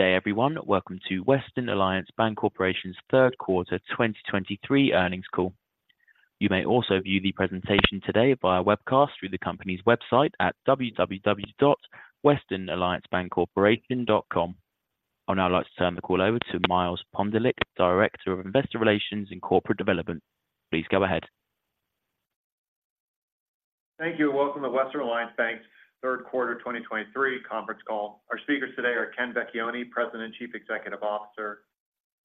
Good day, everyone. Welcome to Western Alliance Bancorporation's Q3 2023 earnings call. You may also view the presentation today via webcast through the company's website at www.westernalliancebancorporation.com. I'd now like to turn the call over to Miles Pondelik, Director of Investor Relations and Corporate Development. Please go ahead. Thank you, and welcome to Western Alliance Bank's Q3 2023 conference call. Our speakers today are Ken Vecchione, President and Chief Executive Officer,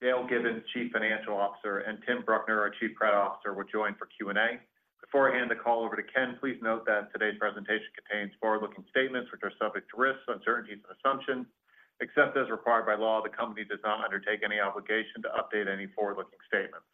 Dale Gibbons, Chief Financial Officer, and Tim Bruckner, our Chief Credit Officer, will join for Q&A. Before I hand the call over to Ken, please note that today's presentation contains forward-looking statements which are subject to risks, uncertainties, and assumptions. Except as required by law, the company does not undertake any obligation to update any forward-looking statements.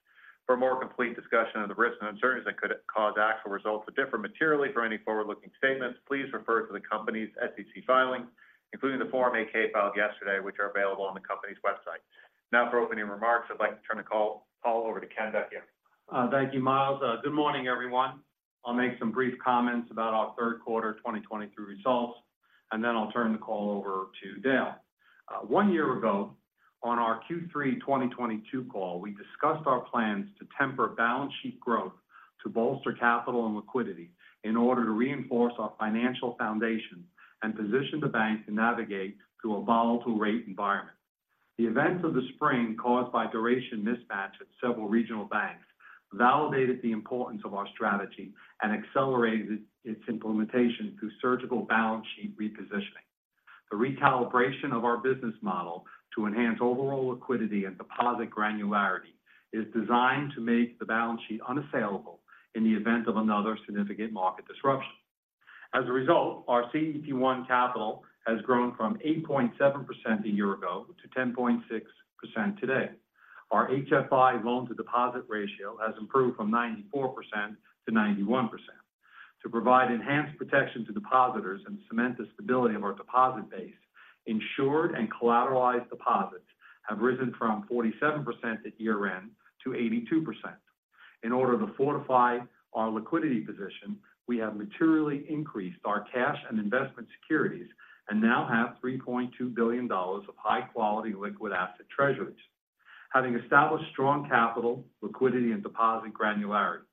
For a more complete discussion of the risks and uncertainties that could cause actual results to differ materially from any forward-looking statements, please refer to the company's SEC filings, including the Form 8-K filed yesterday, which are available on the company's website. Now, for opening remarks, I'd like to turn the call over to Ken Vecchione. Thank you, Miles. Good morning, everyone. I'll make some brief comments about our Q3 2023 results, and then I'll turn the call over to Dale. One year ago, on our Q3 2022 call, we discussed our plans to temper balance sheet growth to bolster capital and liquidity in order to reinforce our financial foundation and position the bank to navigate through a volatile rate environment. The events of the spring caused by duration mismatch at several regional banks validated the importance of our strategy and accelerated its implementation through surgical balance sheet repositioning. The recalibration of our business model to enhance overall liquidity and deposit granularity is designed to make the balance sheet unassailable in the event of another significant market disruption. As a result, our CET1 capital has grown from 8.7% a year ago to 10.6% today. Our HFI loan-to-deposit ratio has improved from 94% to 91%. To provide enhanced protection to depositors and cement the stability of our deposit base, insured and collateralized deposits have risen from 47% at year-end to 82%. In order to fortify our liquidity position, we have materially increased our cash and investment securities and now have $3.2 billion of high-quality liquid asset treasuries. Having established strong capital, liquidity, and deposit granularity,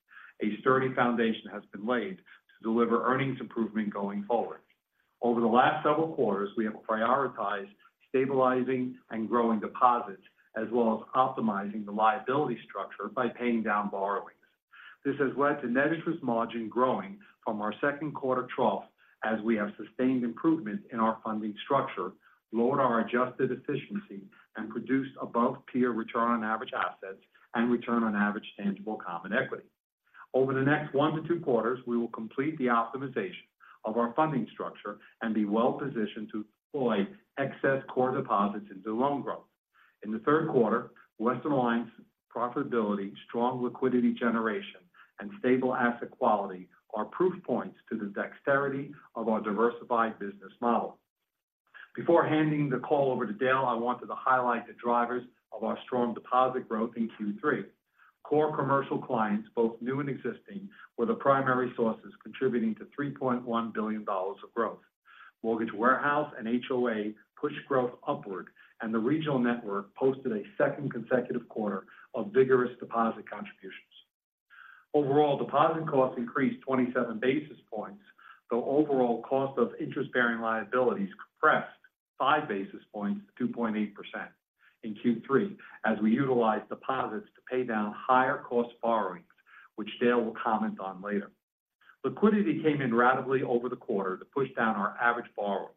a sturdy foundation has been laid to deliver earnings improvement going forward. Over the last several quarters, we have prioritized stabilizing and growing deposits, as well as optimizing the liability structure by paying down borrowings. This has led to net interest margin growing from our Q2 trough as we have sustained improvement in our funding structure, lowered our adjusted efficiency, and produced above-peer return on average assets and return on average tangible common equity. Over the next 1-2 quarters, we will complete the optimization of our funding structure and be well-positioned to deploy excess core deposits into loan growth. In the Q3, Western Alliance's profitability, strong liquidity generation, and stable asset quality are proof points to the dexterity of our diversified business model. Before handing the call over to Dale, I wanted to highlight the drivers of our strong deposit growth in Q3. Core commercial clients, both new and existing, were the primary sources contributing to $3.1 billion of growth. Mortgage Warehouse and HOA pushed growth upward, and the regional network posted a second consecutive quarter of vigorous deposit contributions. Overall, deposit costs increased 27 basis points, though overall cost of interest-bearing liabilities compressed 5 basis points to 0.8% in Q3, as we utilized deposits to pay down higher cost borrowings, which Dale will comment on later. Liquidity came in ratably over the quarter to push down our average borrowings.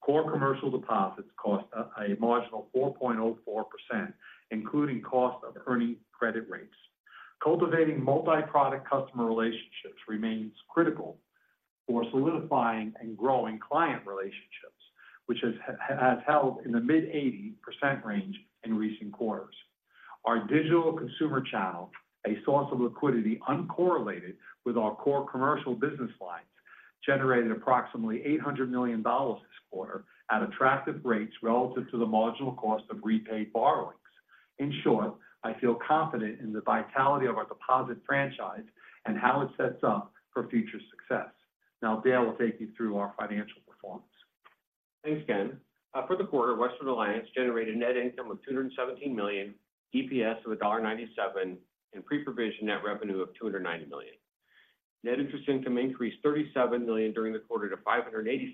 Core commercial deposits cost a marginal 4.04%, including cost of earnings credit rates. Cultivating multi-product customer relationships remains critical for solidifying and growing client relationships, which has held in the mid-80% range in recent quarters. Our digital consumer channel, a source of liquidity uncorrelated with our core commercial business lines, generated approximately $800 million this quarter at attractive rates relative to the marginal cost of repaid borrowings. In short, I feel confident in the vitality of our deposit franchise and how it sets up for future success. Now, Dale will take you through our financial performance. Thanks, Ken. For the quarter, Western Alliance generated net income of $217 million, EPS of $1.97, and pre-provision net revenue of $290 million. Net interest income increased $37 million during the quarter to $587 million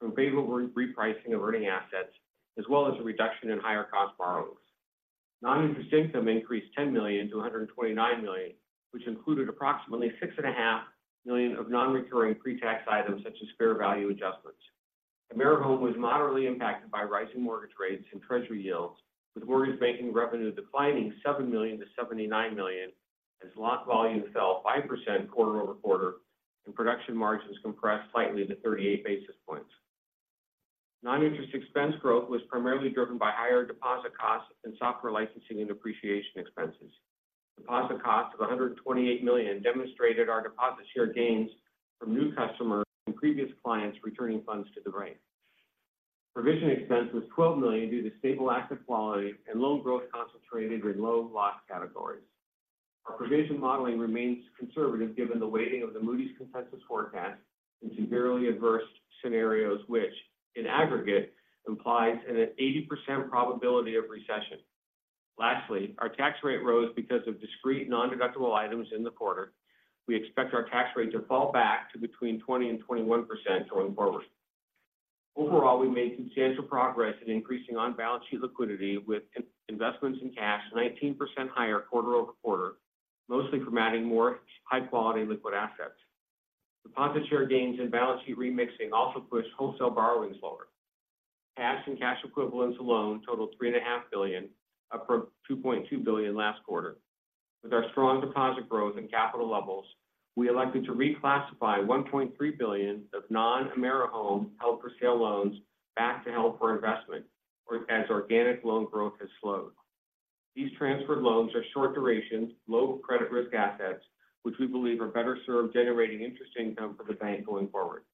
from favorable repricing of earning assets, as well as a reduction in higher-cost borrowings. Non-interest income increased $10 million to $129 million, which included approximately $6.5 million of non-recurring pre-tax items, such as fair value adjustments. AmeriHome was moderately impacted by rising mortgage rates and treasury yields, with mortgage banking revenue declining $7 million to $79 million, as lock volume fell 5% quarter-over-quarter, and production margins compressed slightly to 38 basis points. Non-interest expense growth was primarily driven by higher deposit costs and software licensing and depreciation expenses. Deposit costs of $128 million demonstrated our deposit share gains from new customers and previous clients returning funds to the bank. Provision expense was $12 million due to stable asset quality and loan growth concentrated in low-loss categories. Our provision modeling remains conservative given the weighting of the Moody's consensus forecast into severely adverse scenarios, which in aggregate implies an 80% probability of recession. Lastly, our tax rate rose because of discrete nondeductible items in the quarter. We expect our tax rate to fall back to between 20% and 21% going forward. Overall, we made substantial progress in increasing on-balance-sheet liquidity, with investments and cash 19% higher quarter-over-quarter, mostly from adding more High-Quality Liquid Assets. Deposit share gains and balance-sheet remixing also pushed wholesale borrowings lower. Cash and cash equivalents alone totaled $3.5 billion, up from $2.2 billion last quarter. With our strong deposit growth and capital levels, we elected to reclassify $1.3 billion of non-AmeriHome held-for-sale loans back to held for investment, or as organic loan growth has slowed. These transferred loans are short duration, low credit risk assets, which we believe are better served generating interest income for the bank going forward.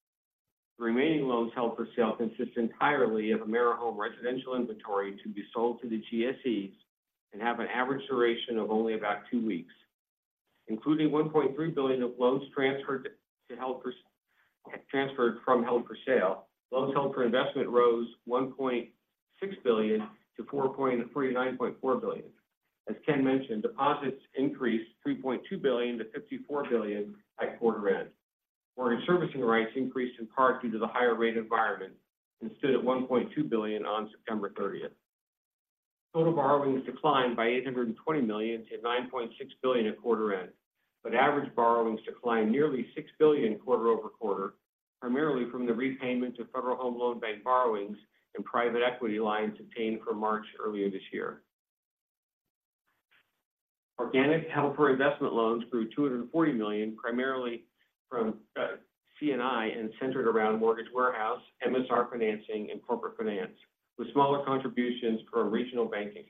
The remaining loans held for sale consist entirely of AmeriHome residential inventory to be sold to the GSEs and have an average duration of only about two weeks. Including $1.3 billion of loans transferred from held for sale, loans held for investment rose $1.6 billion to $49.4 billion. As Ken mentioned, deposits increased $3.2 billion to $54 billion at quarter end. Mortgage servicing rights increased in part due to the higher rate environment and stood at $1.2 billion on September 30th. Total borrowings declined by $820 million to $9.6 billion at quarter end, but average borrowings declined nearly $6 billion quarter-over-quarter, primarily from the repayment of Federal Home Loan Bank borrowings and private equity lines obtained from March earlier this year. Organic held-for-investment loans grew $240 million, primarily from C&I and centered around mortgage warehouse, MSR financing, and corporate finance, with smaller contributions from regional banking.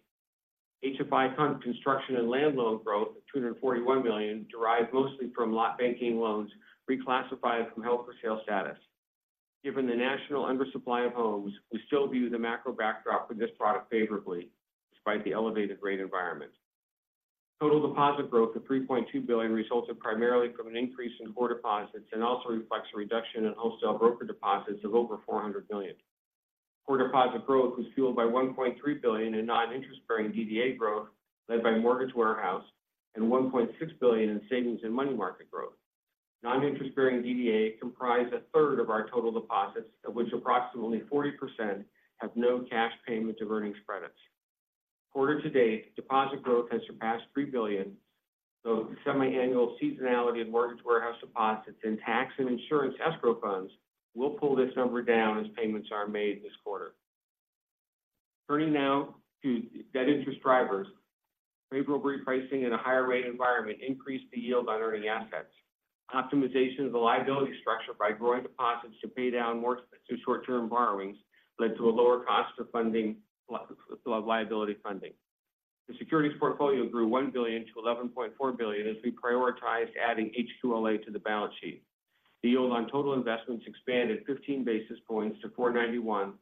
HFI construction and land loan growth of $241 million derived mostly from lot banking loans reclassified from held-for-sale status. Given the national undersupply of homes, we still view the macro backdrop for this product favorably, despite the elevated rate environment. Total deposit growth of $3.2 billion resulted primarily from an increase in core deposits and also reflects a reduction in wholesale broker deposits of over $400 million. Core deposit growth was fueled by $1.3 billion in non-interest-bearing DDA growth, led by Mortgage Warehouse, and $1.6 billion in savings and money market growth. Non-interest-bearing DDA comprised a third of our total deposits, of which approximately 40% have no cash payment of earnings credits. Quarter to date, deposit growth has surpassed $3 billion, though semiannual seasonality of Mortgage Warehouse deposits and tax and insurance escrow funds will pull this number down as payments are made this quarter. Turning now to net interest drivers. Favorable repricing in a higher rate environment increased the yield on earning assets. Optimization of the liability structure by growing deposits to pay down more to short-term borrowings led to a lower cost of funding, liability funding. The securities portfolio grew $1 billion to $11.4 billion as we prioritized adding HQLA to the balance sheet. The yield on total investments expanded 15 basis points to 4.91.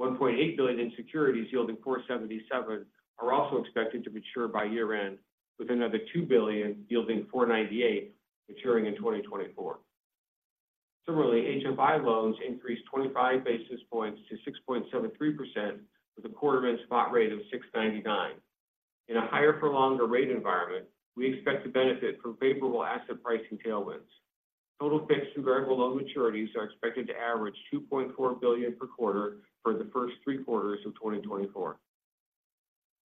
$1.8 billion in securities yielding 4.77 are also expected to mature by year-end, with another $2 billion yielding 4.98 maturing in 2024. Similarly, HFI loans increased 25 basis points to 6.73%, with a quarter-end spot rate of 6.99. In a higher-for-longer rate environment, we expect to benefit from favorable asset pricing tailwinds. Total fixed and variable loan maturities are expected to average $2.4 billion per quarter for the first three quarters of 2024.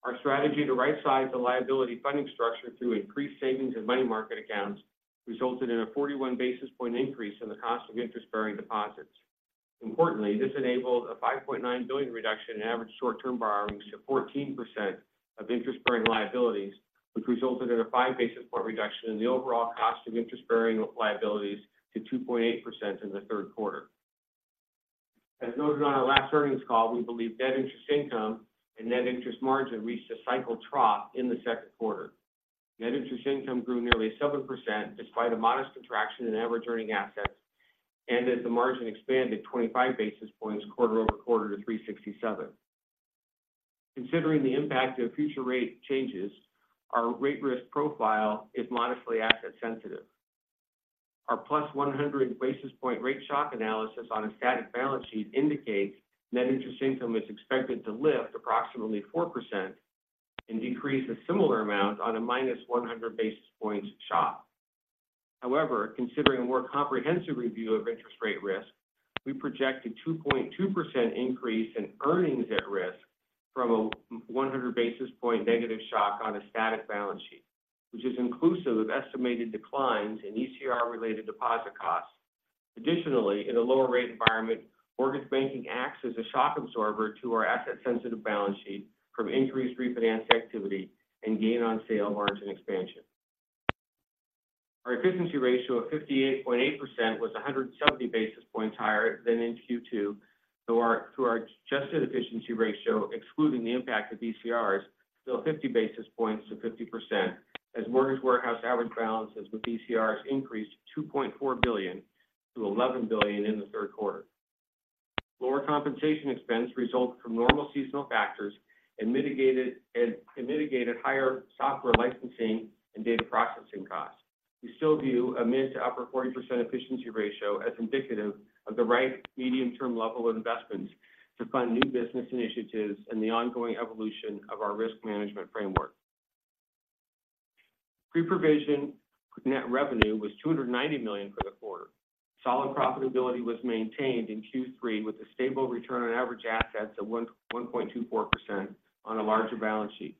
Our strategy to rightsize the liability funding structure through increased savings and money market accounts resulted in a 41 basis point increase in the cost of interest-bearing deposits. Importantly, this enabled a $5.9 billion reduction in average short-term borrowings to 14% of interest-bearing liabilities, which resulted in a five basis point reduction in the overall cost of interest-bearing liabilities to 2.8% in the Q3. As noted on our last earnings call, we believe net interest income and net interest margin reached a cycle trough in the Q2. Net interest income grew nearly 7%, despite a modest contraction in average earning assets, and as the margin expanded 25 basis points quarter-over-quarter to 3.67. Considering the impact of future rate changes, our rate risk profile is modestly asset sensitive. Our +100 basis point rate shock analysis on a static balance sheet indicates net interest income is expected to lift approximately 4% and decrease a similar amount on a -100 basis points shock. However, considering a more comprehensive review of interest rate risk, we project a 2.2% increase in earnings at risk from a 100 basis point negative shock on a static balance sheet, which is inclusive of estimated declines in ECR-related deposit costs. Additionally, in a lower rate environment, mortgage banking acts as a shock absorber to our asset-sensitive balance sheet from increased refinance activity and gain on sale margin expansion. Our efficiency ratio of 58.8% was 170 basis points higher than in Q2, though our adjusted efficiency ratio, excluding the impact of ECRs, fell 50 basis points to 50%, as Mortgage Warehouse average balances with ECRs increased $2.4 billion-11 billion in the Q3. Lower compensation expense resulted from normal seasonal factors and mitigated higher software licensing and data processing costs. We still view a mid- to upper-40% efficiency ratio as indicative of the right medium-term level of investments to fund new business initiatives and the ongoing evolution of our risk management framework. Pre-provision net revenue was $290 million for the quarter. Solid profitability was maintained in Q3, with a stable return on average assets of 1.24% on a larger balance sheet.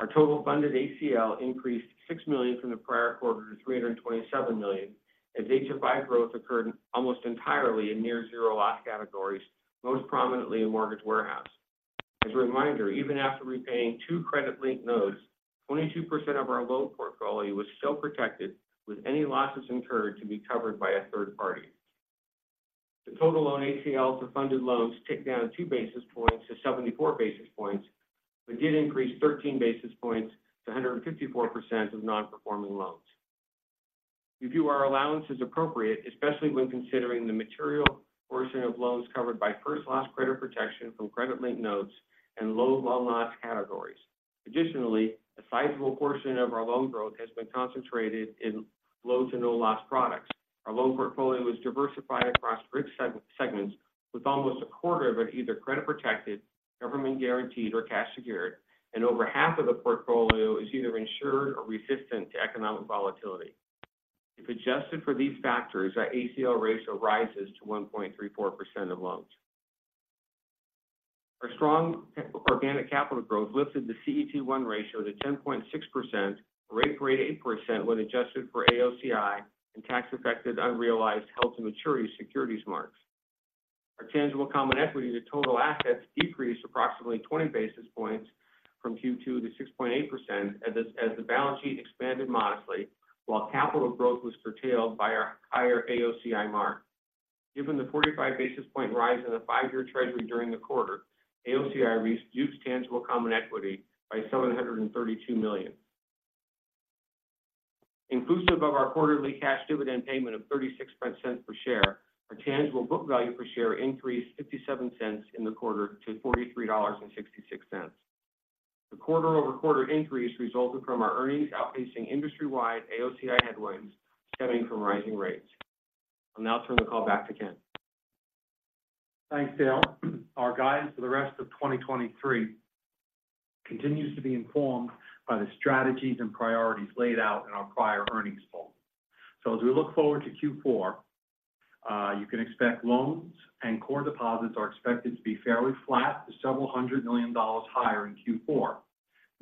Our total funded ACL increased $6 million from the prior quarter to $327 million, as HFI growth occurred almost entirely in near-zero loss categories, most prominently in mortgage warehouse. As a reminder, even after repaying two credit-linked notes, 22% of our loan portfolio was still protected, with any losses incurred to be covered by a third party. The total loan ACLs for funded loans ticked down two basis points to 74 basis points, but did increase 13 basis points to 154% of non-performing loans. We view our allowance as appropriate, especially when considering the material portion of loans covered by first-loss credit protection from credit-linked notes and low-loan-loss categories. Additionally, a sizable portion of our loan growth has been concentrated in low-to-no-loss products. Our loan portfolio is diversified across segments, with almost a quarter of it either credit protected, government guaranteed, or cash secured, and over half of the portfolio is either insured or resistant to economic volatility. If adjusted for these factors, our ACL ratio rises to 1.34% of loans. Our strong organic capital growth lifted the CET1 ratio to 10.6%, or 8.8% when adjusted for AOCI and tax-affected unrealized held-to-maturity securities marks. Our tangible common equity to total assets decreased approximately 20 basis points from Q2 to 6.8% as the balance sheet expanded modestly, while capital growth was curtailed by our higher AOCI mark. Given the 45 basis point rise in the five-year Treasury during the quarter, AOCI reduced tangible common equity by $732 million. Inclusive of our quarterly cash dividend payment of $0.36 per share, our tangible book value per share increased $0.57 in the quarter to $43.66. The quarter-over-quarter increase resulted from our earnings outpacing industry-wide AOCI headwinds stemming from rising rates. I'll now turn the call back to Ken. Thanks, Dale. Our guidance for the rest of 2023 continues to be informed by the strategies and priorities laid out in our prior earnings call. As we look forward to Q4, you can expect loans and core deposits are expected to be fairly flat to several hundred million dollars higher in Q4.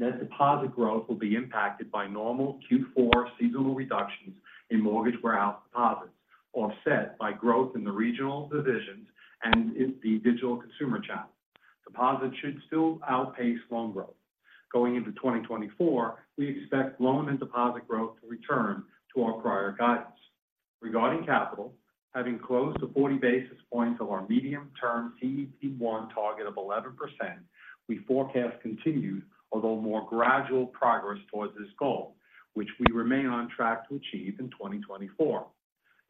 Net deposit growth will be impacted by normal Q4 seasonal reductions in mortgage warehouse deposits, offset by growth in the regional divisions and in the digital consumer channel. Deposits should still outpace loan growth. Going into 2024, we expect loan and deposit growth to return to our prior guidance. Regarding capital, having closed the 40 basis points of our medium-term CET1 target of 11%, we forecast continued, although more gradual progress towards this goal, which we remain on track to achieve in 2024.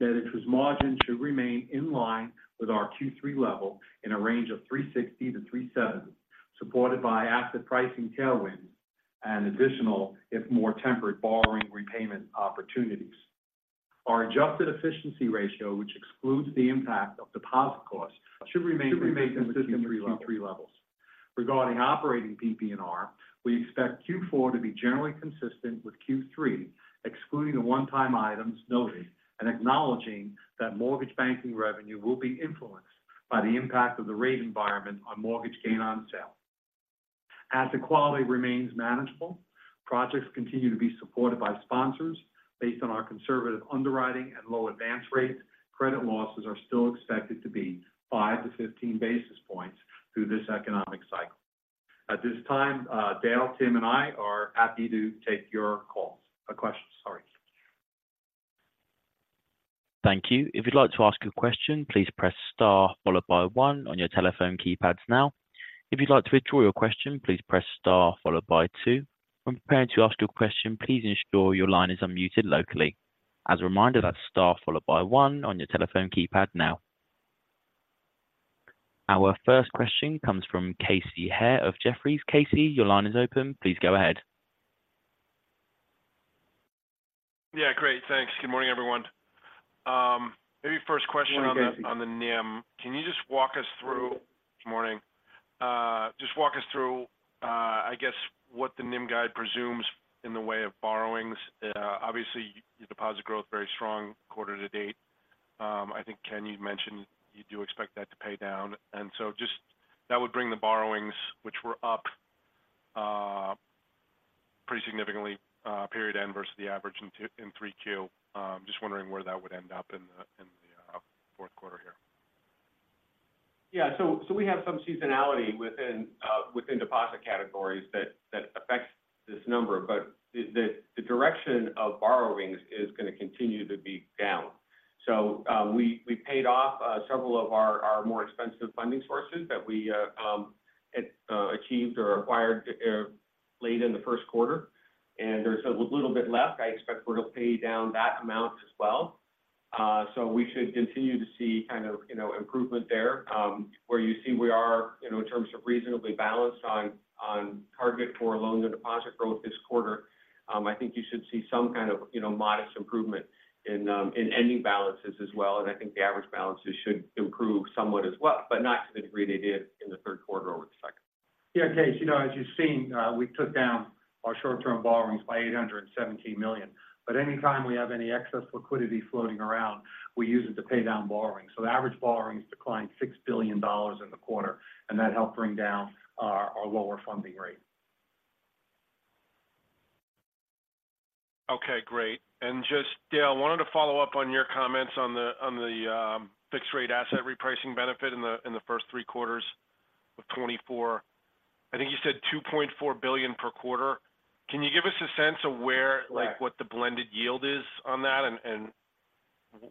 Net interest margin should remain in line with our Q3 level in a range of 3.60-3.70, supported by asset pricing tailwinds and additional, if more temperate, borrowing repayment opportunities. Our Adjusted Efficiency Ratio, which excludes the impact of deposit costs, should remain consistent with Q3 levels. Regarding operating PPNR, we expect Q4 to be generally consistent with Q3, excluding the one-time items noted and acknowledging that mortgage banking revenue will be influenced by the impact of the rate environment on mortgage gain on sale. Asset quality remains manageable. Projects continue to be supported by sponsors based on our conservative underwriting and low advance rates. Credit losses are still expected to be 5-15 basis points through this economic cycle. At this time, Dale, Tim, and I are happy to take your calls, questions. Sorry. Thank you. If you'd like to ask a question, please press star followed by one on your telephone keypads now. If you'd like to withdraw your question, please press star followed by two. When preparing to ask your question, please ensure your line is unmuted locally. As a reminder, that's star followed by one on your telephone keypad now. Our first question comes from Casey Haire of Jefferies. Casey, your line is open. Please go ahead. Yeah, great. Thanks. Good morning, everyone. First question on the NIM. Can you just walk us through, I guess, what the NIM guide presumes in the way of borrowings? Obviously, your deposit growth very strong quarter-to-date. I think, Ken, you'd mentioned you do expect that to pay down. Just that would bring the borrowings, which were up pretty significantly period-end versus the average in 3Q. Just wondering where that would end up in the Q4 here. Yeah. We have some seasonality within deposit categories that affects this number, but the direction of borrowings is going to continue to be down. We paid off several of our more expensive funding sources that we achieved or acquired late in the Q1, and there's a little bit left. I expect we're to pay down that amount as well. We should continue to see kind of, you know, improvement there. Where you see we are, you know, in terms of reasonably balanced on target for loan and deposit growth this quarter, I think you should see some kind of, you know, modest improvement in ending balances as well. I think the average balances should improve somewhat as well, but not to the degree they did in the Q3 over the second. Yeah, Casey, you know, as you've seen, we took down our short-term borrowings by $817 million, but anytime we have any excess liquidity floating around, we use it to pay down borrowings. The average borrowings declined $6 billion in the quarter, and that helped bring down our lower funding rate. Okay, great. Just, Dale, I wanted to follow up on your comments on the fixed-rate asset repricing benefit in the first three quarters of 2024. I think you said $2.4 billion per quarter. Can you give us a sense of where? Right Like, what the blended yield is on that and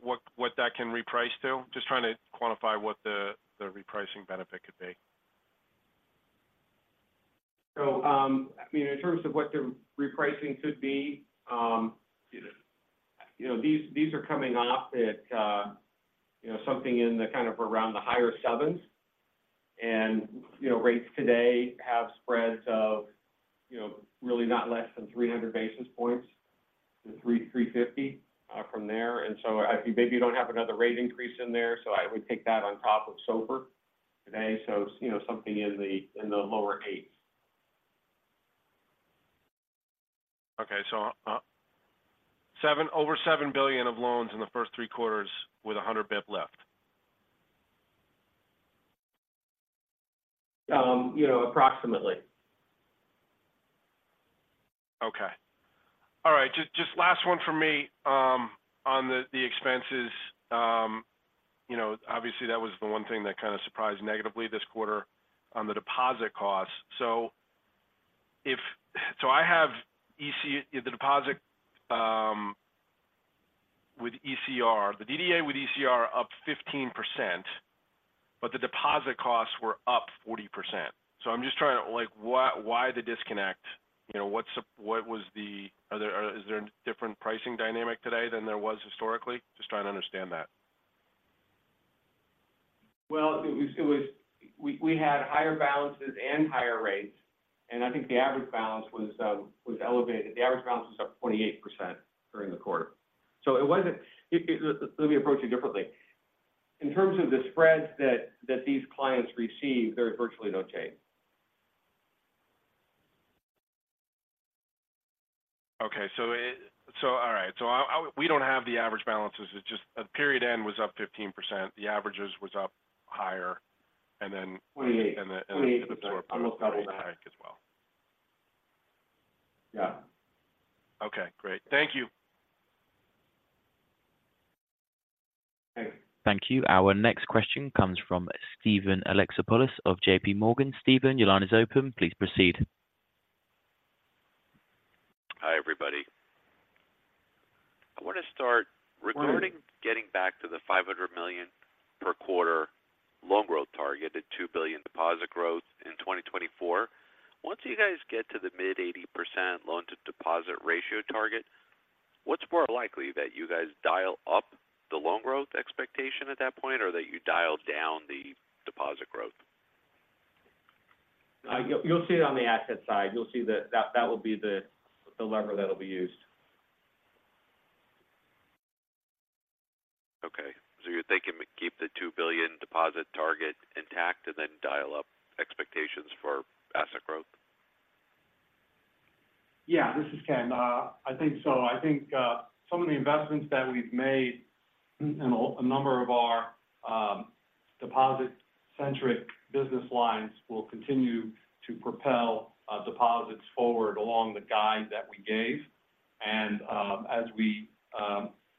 what that can reprice to? Just trying to quantify what the repricing benefit could be. I mean, in terms of what the repricing could be, you know, these are coming off at, you know, something in the kind of around the higher 7s. You know, rates today have spreads of, you know, really not less than 300 basis points-350 basis points from there. I think maybe you don't have another rate increase in there, so I would take that on top of SOFR today. You know, something in the lower 8s. Okay. Over $7 billion of loans in the first three quarters with 100 basis points left? You know, approximately. Okay. All right, just last one from me. On the expenses, you know, obviously, that was the one thing that kind of surprised negatively this quarter on the deposit costs. I have the deposit with ECR. The DDA with ECR up 15%, but the deposit costs were up 40%. I'm just trying to like, why the disconnect? You know, is there a different pricing dynamic today than there was historically? Just trying to understand that. Well, we had higher balances and higher rates, and I think the average balance was elevated. The average balance was up 28% during the quarter. Let me approach it differently. In terms of the spreads that these clients receive, they're virtually no change. Okay, all right. We don't have the average balances. It's just a period-end was up 15%, the averages was up higher, and then- We, we- The absorption was up as well. Yeah. Okay, great. Thank you. Thanks. Thank you. Our next question comes from Steven Alexopoulos of JP Morgan. Steven, your line is open. Please proceed. Hi, everybody. I want to start. Hi. Regarding getting back to the $500 million per quarter loan growth target at $2 billion deposit growth in 2024. Once you guys get to the mid-80% loan-to-deposit ratio target, what's more likely that you guys dial up the loan growth expectation at that point or that you dial down the deposit growth? You'll see it on the asset side. You'll see that will be the lever that will be used. Okay. You're thinking to keep the $2 billion deposit target intact and then dial up expectations for asset growth? Yeah, this is Ken. I think so. I think some of the investments that we've made in a number of our deposit-centric business lines will continue to propel deposits forward along the guide that we gave. As we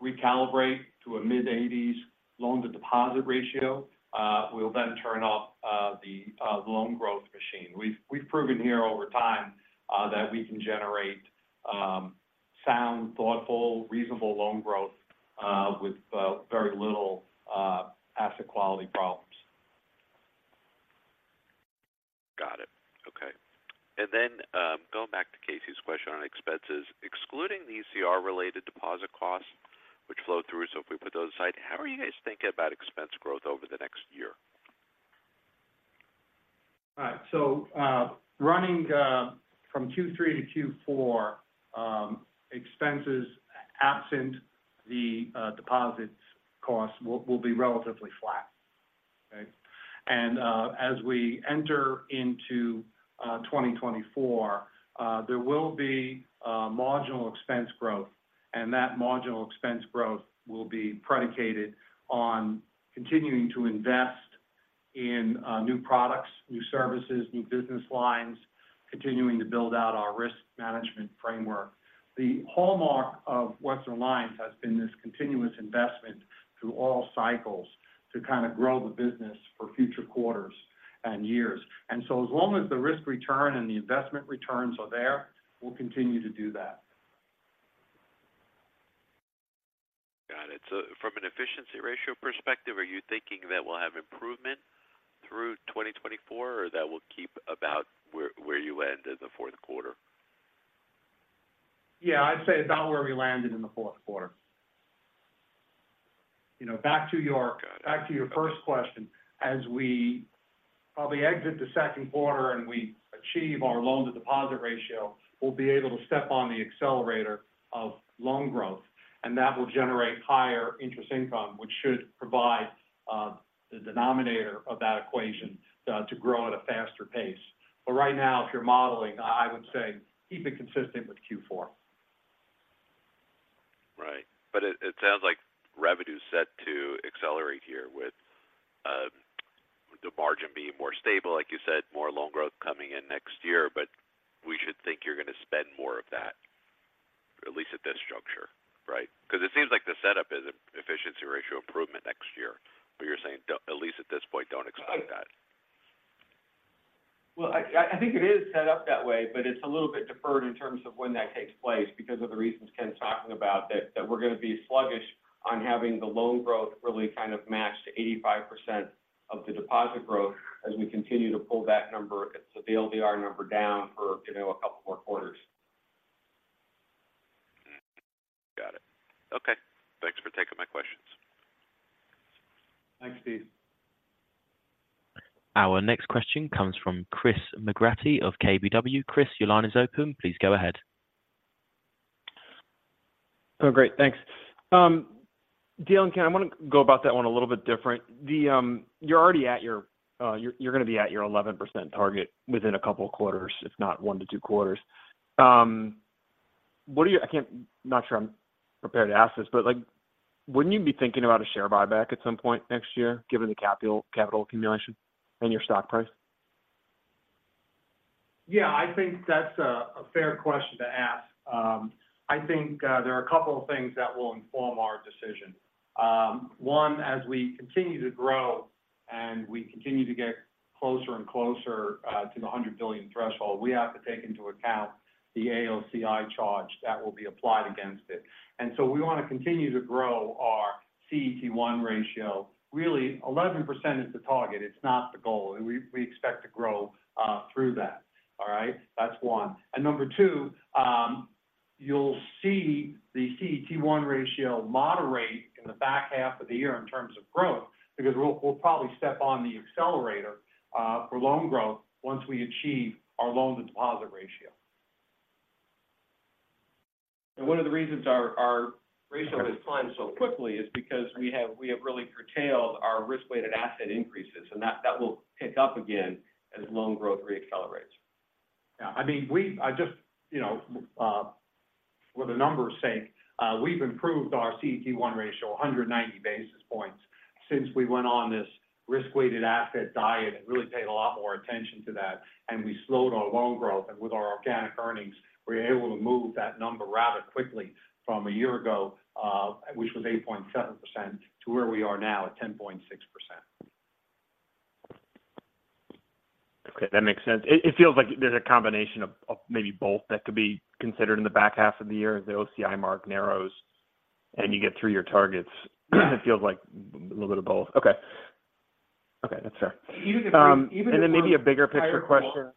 recalibrate to a mid-80s loan-to-deposit ratio, we'll then turn off the loan growth machine. We've proven here over time that we can generate sound, thoughtful, reasonable loan growth with very little asset quality problems. Got it. Okay. Going back to Casey's question on expenses, excluding the ECR-related deposit costs, which flow through, so if we put those aside, how are you guys thinking about expense growth over the next year? All right, running from Q3 to Q4, expenses absent the deposits costs will be relatively flat. Okay? As we enter into 2024, there will be marginal expense growth, and that marginal expense growth will be predicated on continuing to invest in new products, new services, new business lines, continuing to build out our risk management framework. The hallmark of Western Alliance has been this continuous investment through all cycles to kind of grow the business for future quarters and years. As long as the risk return and the investment returns are there, we'll continue to do that. Got it. From an efficiency ratio perspective, are you thinking that we'll have improvement through 2024, or that will keep about where you end in the Q4? Yeah, I'd say about where we landed in the Q4. You know, back to your- Got it. Back to your first question, as we probably exit the Q2 and we achieve our loan-to-deposit ratio, we'll be able to step on the accelerator of loan growth, and that will generate higher interest income, which should provide the denominator of that equation to grow at a faster pace. Right now, if you're modeling, I would say keep it consistent with Q4. Right. It sounds like revenue is set to accelerate here with the margin being more stable, like you said, more loan growth coming in next year. We should think you're going to spend more of that, at least at this juncture, right? Because it seems like the setup is efficiency ratio improvement next year, but you're saying, at least at this point, don't expect that. LDR is Loan-to-Deposit Ratio. Wait, "85% of the deposit growth". Correct. Wait, "a couple more quarters". Correct. Wait, "Well, I think it is set up that way, but it's a little bit deferred in terms of when that takes place because of the reasons Ken's talking about that we're going to be sluggish on having the loan growth really kind of match to 85% of the deposit growth as we continue to pull that number, the LDR number down for, you know, a couple more quarters. Got it. Okay. Thanks for taking my questions. Thanks, Steve. Our next question comes from Chris McGratty of KBW. Chris, your line is open. Please go ahead. Oh, great. Thanks. Dale and Ken, I want to go about that one a little bit different. You're going to be at your 11% target within a couple of quarters, if not 1-2 quarters. I'm not sure I'm prepared to ask this, but, like, wouldn't you be thinking about a share buyback at some point next year, given the capital accumulation and your stock price? Yeah, I think that's a fair question to ask. I think there are a couple of things that will inform our decision. One, as we continue to grow and we continue to get closer and closer to the $100 billion threshold, we have to take into account the AOCI charge that will be applied against it. We want to continue to grow our CET1 ratio. Really, 11% is the target. It's not the goal. We expect to grow through that. All right? That's one. Number two, you'll see the CET1 ratio moderate in the back half of the year in terms of growth, because we'll probably step on the accelerator for loan growth once we achieve our loan-to-deposit ratio. One of the reasons our ratio has climbed so quickly is because we have really curtailed our risk-weighted asset increases, and that will pick up again as loan growth reaccelerates. Yeah. I mean, I just, you know, for the numbers' sake, we've improved our CET1 ratio 190 basis points since we went on this risk-weighted asset diet and really paid a lot more attention to that, and we slowed our loan growth. With our organic earnings, we were able to move that number rather quickly from a year ago, which was 8.7%, to where we are now at 10.6%. Okay, that makes sense. It feels like there's a combination of maybe both that could be considered in the back half of the year as the OCI mark narrows and you get through your targets. It feels like a little bit of both. Okay. Okay, that's fair. Even if. Maybe a bigger-picture question.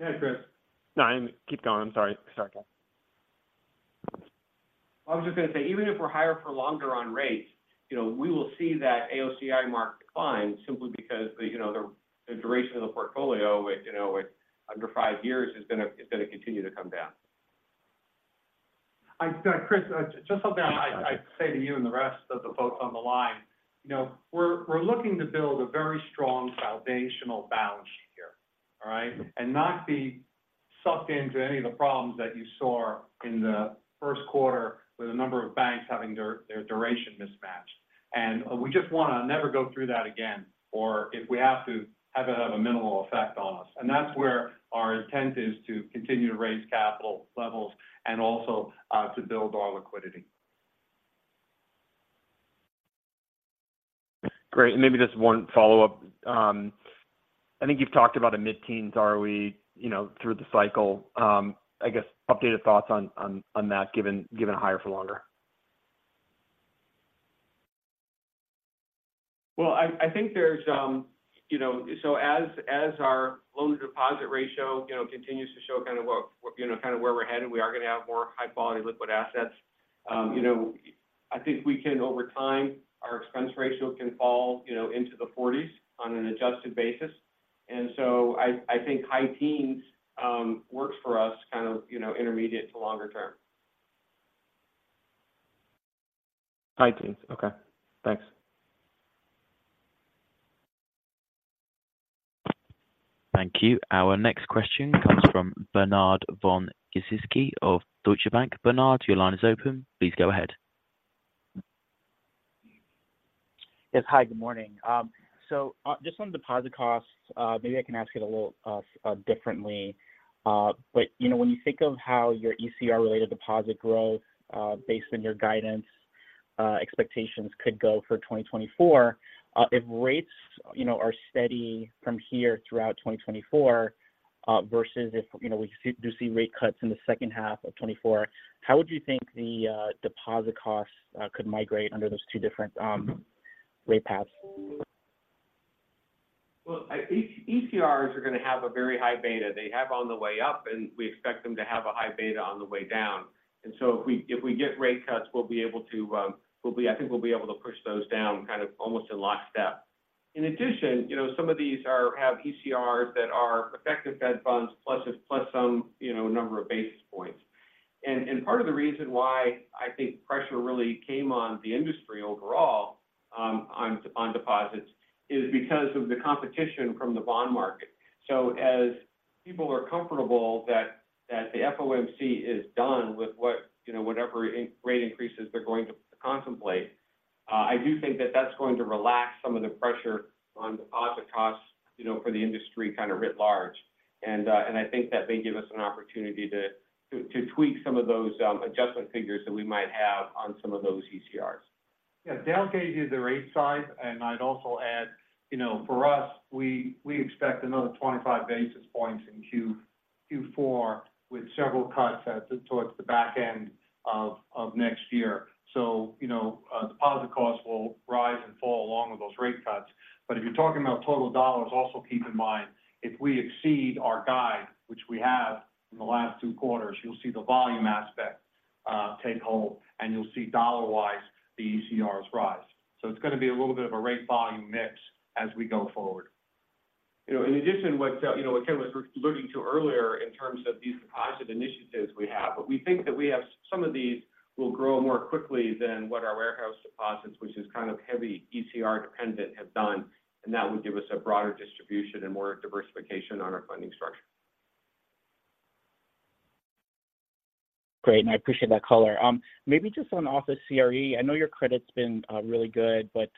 Yeah, Chris. No, keep going. I'm sorry. Sorry, guys. I was just going to say, even if we're higher for longer on rates, you know, we will see that AOCI mark decline simply because the, you know, duration of the portfolio with, you know, under five years is going to continue to come down. Chris, just so that I say to you and the rest of the folks on the line, you know, we're looking to build a very strong foundational balance sheet here. All right? Not be sucked into any of the problems that you saw in the Q1 with a number of banks having their duration mismatched. We just want to never go through that again, or if we have to, have it have a minimal effect on us. That's where our intent is to continue to raise capital levels and also to build our liquidity. Great. Maybe just one follow-up. I think you've talked about a mid-teens ROE, you know, through the cycle. I guess, updated thoughts on that, given higher for longer? Well, I think there's. You know, as our loan-to-deposit ratio, you know, continues to show kind of, you know, kind of where we're headed, we are going to have more High-Quality Liquid Assets. You know, I think we can over time, our expense ratio can fall, you know, into the 40s on an adjusted basis. I think high teens works for us, kind of, you know, intermediate to longer term. High teens. Okay, thanks. Thank you. Our next question comes from Bernard Von Gizycki of Deutsche Bank. Bernard, your line is open. Please go ahead. Yes. Hi, good morning. Just on deposit costs, maybe I can ask it a little differently. You know, when you think of how your ECR-related deposit growth, based on your guidance expectations could go for 2024, if rates, you know, are steady from here throughout 2024, versus if, you know, we do see rate cuts in the second half of 2024, how would you think the deposit costs could migrate under those two different rate paths? Well, ECRs are going to have a very high beta. They have on the way up, and we expect them to have a high beta on the way down. If we get rate cuts, we'll be able to, I think we'll be able to push those down kind of almost in lockstep. In addition, you know, some of these have ECRs that are effective Fed Funds plus some, you know, number of basis points. Part of the reason why I think pressure really came on the industry overall on deposits is because of the competition from the bond market. As people are comfortable that the FOMC is done with what, you know, whatever rate increases they're going to contemplate, I do think that that's going to relax some of the pressure on deposit costs, you know, for the industry kind of writ large. I think that may give us an opportunity to tweak some of those adjustment figures that we might have on some of those ECRs. Yeah, Dale gave you the rate side, and I'd also add, you know, for us, we expect another 25 basis points in Q4, with several cuts towards the back end of next year. You know, deposit costs will rise and fall along with those rate cuts. If you're talking about total dollars, also keep in mind, if we exceed our guide, which we have in the last two quarters, you'll see the volume aspect take hold, and you'll see dollar-wise, the ECRs rise. It's going to be a little bit of a rate-volume mix as we go forward. You know, in addition, you know, what Ken was alluding to earlier in terms of these deposit initiatives we have, but we think that some of these will grow more quickly than what our warehouse deposits, which is kind of heavy ECR-dependent, have done, and that would give us a broader distribution and more diversification on our funding structure. Great, and I appreciate that color. Maybe just on office CRE, I know your credit's been really good, but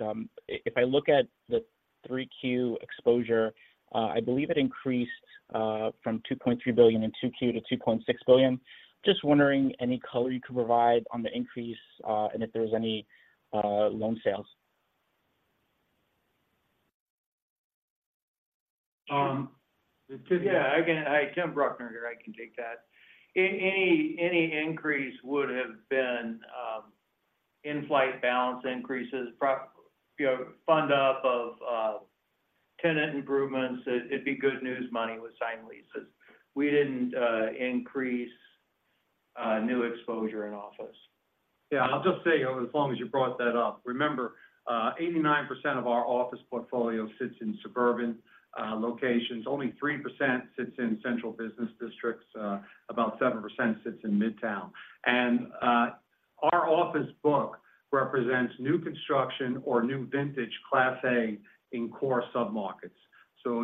if I look at the 3Q exposure, I believe it increased from $2.3 billion in 2Q to $2.6 billion. Just wondering, any color you could provide on the increase and if there's any loan sales? Hi, Tim Bruckner here, I can take that. Any increase would have been in-flight balance increases, you know, fund up of tenant improvements. It'd be good news money with signed leases. We didn't increase new exposure in office. Yeah. I'll just say, as long as you brought that up, remember, 89% of our office portfolio sits in suburban locations. Only 3% sits in central business districts. About 7% sits in Midtown. Our office book represents new construction or new vintage Class A in core submarkets.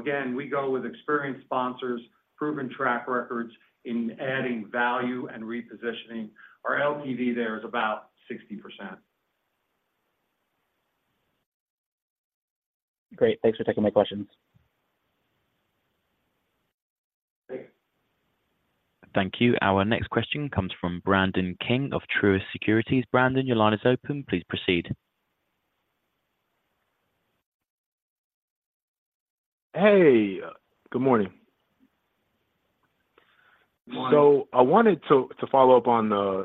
Again, we go with experienced sponsors, proven track records in adding value and repositioning. Our LTV there is about 60%. Great. Thanks for taking my questions. Thanks. Thank you. Our next question comes from Brandon King of Truist Securities. Brandon, your line is open. Please proceed. Hey, good morning. Morning. I wanted to follow up on the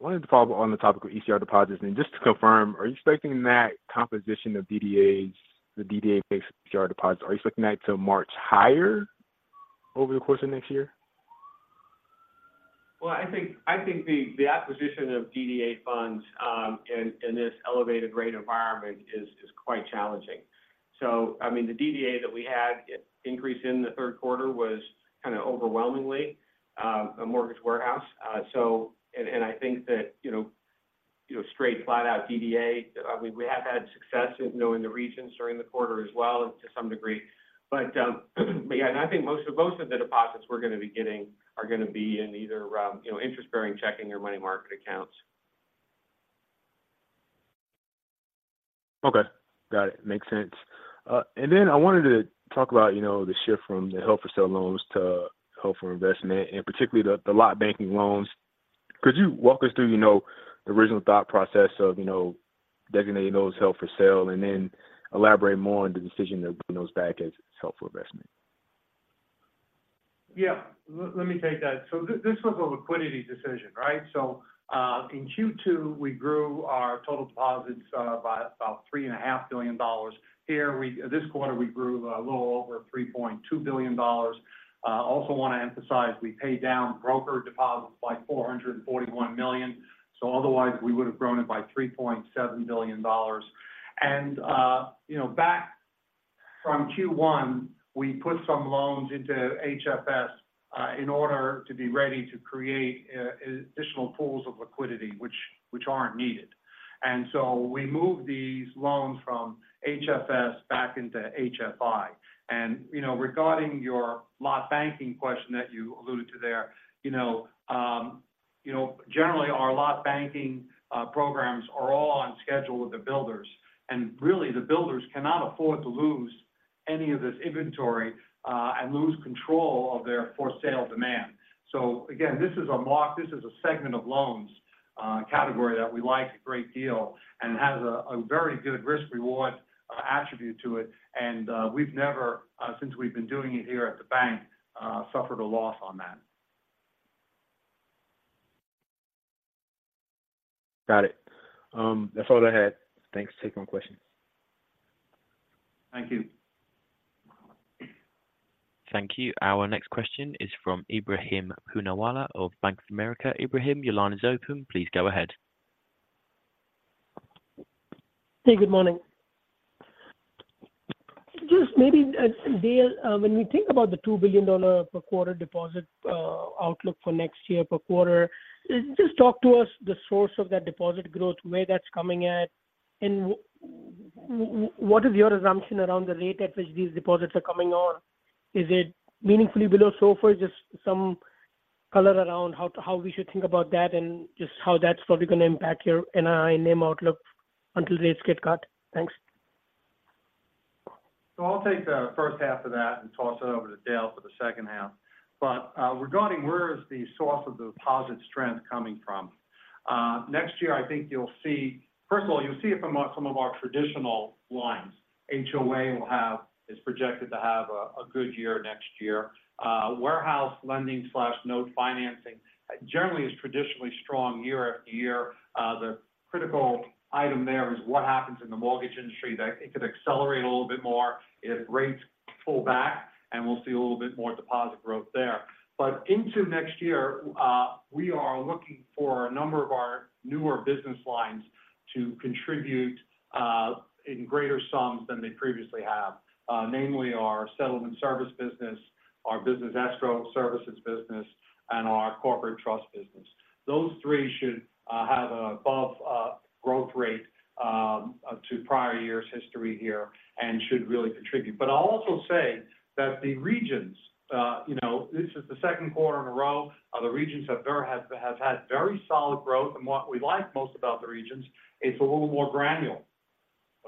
topic of ECR deposits. Just to confirm, are you expecting that composition of DDAs, the DDA-based ECR deposits, are you expecting that to march higher over the course of next year? Well, I think the acquisition of DDA funds in this elevated rate environment is quite challenging. I mean, the DDA that we had increase in the Q3 was kind of overwhelmingly a mortgage warehouse. I think that, you know, straight, flat-out DDA, I mean, we have had success in, you know, the regions during the quarter as well to some degree. Yeah, I think most of the deposits we're going to be getting are going to be in either, you know, interest-bearing checking or money market accounts. Okay. Got it. Makes sense. I wanted to talk about, you know, the shift from the Held for Sale loans to Held for Investment, and particularly the lot banking loans. Could you walk us through, you know, the original thought process of, you know, designating those Held for Sale, and then elaborate more on the decision to bring those back as Held for Investment? Yeah, let me take that. This was a liquidity decision, right? In Q2, we grew our total deposits by about $3.5 billion. This quarter, we grew a little over $3.2 billion. I also want to emphasize, we paid down broker deposits by $441 million, so otherwise, we would have grown it by $3.7 billion. You know, back from Q1, we put some loans into HFS in order to be ready to create additional pools of liquidity, which aren't needed. So we moved these loans from HFS back into HFI. You know, regarding your lot banking question that you alluded to there, you know, generally, our lot banking programs are all on schedule with the builders. Really, the builders cannot afford to lose any of this inventory and lose control of their for-sale demand. Again, this is a mark, this is a segment of loans category that we like a great deal and has a very good risk-reward attribute to it. We've never, since we've been doing it here at the bank, suffered a loss on that. Got it. That's all I had. Thanks. Take my questions. Thank you. Thank you. Our next question is from Ebrahim Poonawala of Bank of America. Ebrahim, your line is open. Please go ahead. Hey, good morning. Just maybe, Dale, when we think about the $2 billion per quarter deposit outlook for next year per quarter, just talk to us the source of that deposit growth, where that's coming at, and what is your assumption around the rate at which these deposits are coming on? Is it meaningfully below SOFR? Just some color around how we should think about that and just how that's probably going to impact your NII NIM outlook until rates get cut. Thanks. I'll take the first half of that and toss it over to Dale for the second half. Regarding where is the source of the deposit strength coming from next year, I think you'll see, first of all, you'll see it from some of our traditional lines. HOA is projected to have a good year next year. Warehouse lending, note financing generally is traditionally strong year after year. The critical item there is what happens in the mortgage industry. That it could accelerate a little bit more if rates pull back, and we'll see a little bit more deposit growth there. Into next year, we are looking for a number of our newer business lines to contribute in greater sums than they previously have, namely our settlement service business, our business escrow services business, and our corporate trust business. Those three should have above growth rate to prior years history here and should really contribute. I'll also say that the regions, you know, this is the Q2 in a row, the regions have had very solid growth. What we like most about the regions, it's a little more granular.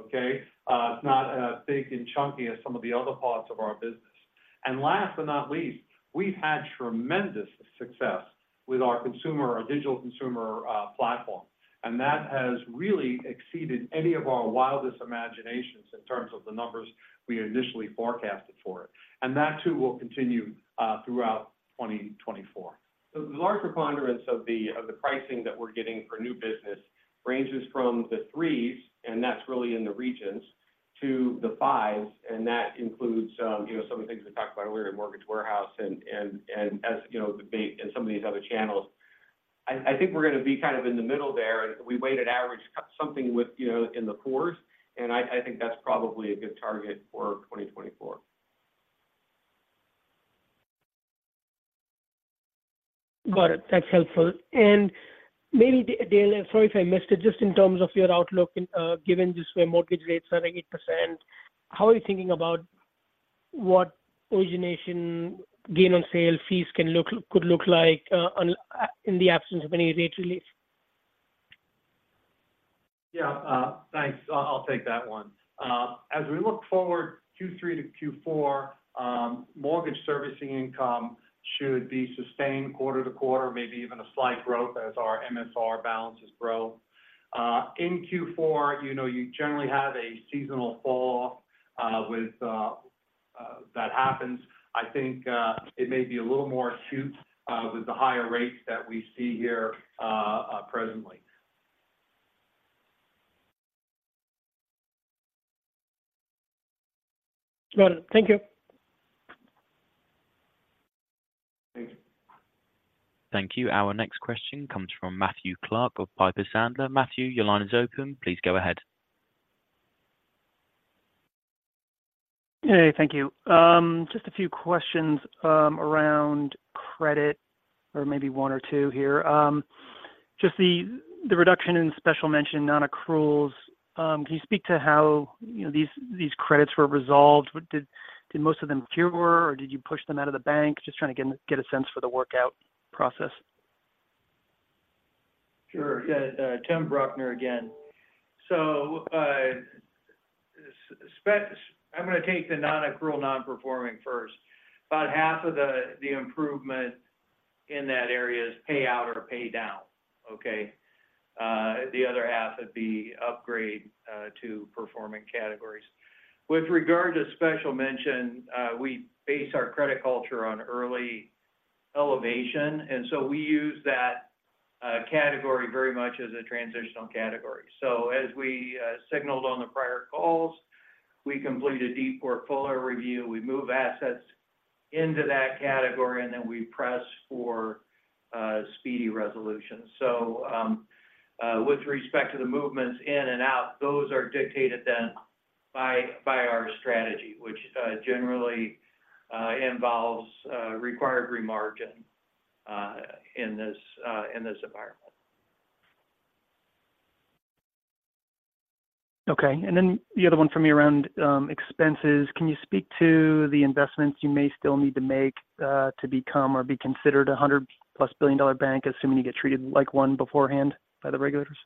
Okay? It's not as big and chunky as some of the other parts of our business. Last but not least, we've had tremendous success with our consumer, our digital consumer platform, and that has really exceeded any of our wildest imaginations in terms of the numbers we initially forecasted for it. That, too, will continue throughout 2024. The larger preponderance of the pricing that we're getting for new business ranges from the 3%s, and that's really in the regions, to the 5%s, and that includes, you know, some of the things we talked about earlier in Mortgage Warehouse and, as you know, the bank and some of these other channels. I think we're going to be kind of in the middle there. We weighted average something with, you know, in the 4%s, and I think that's probably a good target for 2024. Got it. That's helpful. Maybe, Dale, sorry if I missed it, just in terms of your outlook, and given just where mortgage rates are at 8%, how are you thinking about what origination gain on sale fees could look like in the absence of any rate release? Yeah, thanks. I'll take that one. As we look forward, Q3-Q4, mortgage servicing income should be sustained quarter-to-quarter, maybe even a slight growth as our MSR balances grow. In Q4, you know, you generally have a seasonal fall that happens. I think it may be a little more acute with the higher rates that we see here presently. Got it. Thank you. Thank you. Thank you. Our next question comes from Matthew Clark of Piper Sandler. Matthew, your line is open. Please go ahead. Hey, thank you. Just a few questions around credit, or maybe one or two here. Just the reduction in special mention nonaccruals, can you speak to how, you know, these credits were resolved? Did most of them cure, or did you push them out of the bank? Just trying to get a sense for the workout process. Sure. Yeah, Tim Bruckner again. I'm going to take the nonaccrual, nonperforming first. About half of the improvement in that area is pay out or pay down. Okay? The other half would be upgrade to performing categories. With regard to special mention, we base our credit culture on early elevation, and so we use that category very much as a transitional category. As we signaled on the prior calls, We complete a deep portfolio review, we move assets into that category, and then we press for speedy resolution. With respect to the movements in and out, those are dictated then by our strategy, which generally involves required remargin in this environment. Okay. The other one for me around expenses. Can you speak to the investments you may still need to make to become or be considered a 100+ billion-dollar bank, assuming you get treated like one beforehand by the regulators?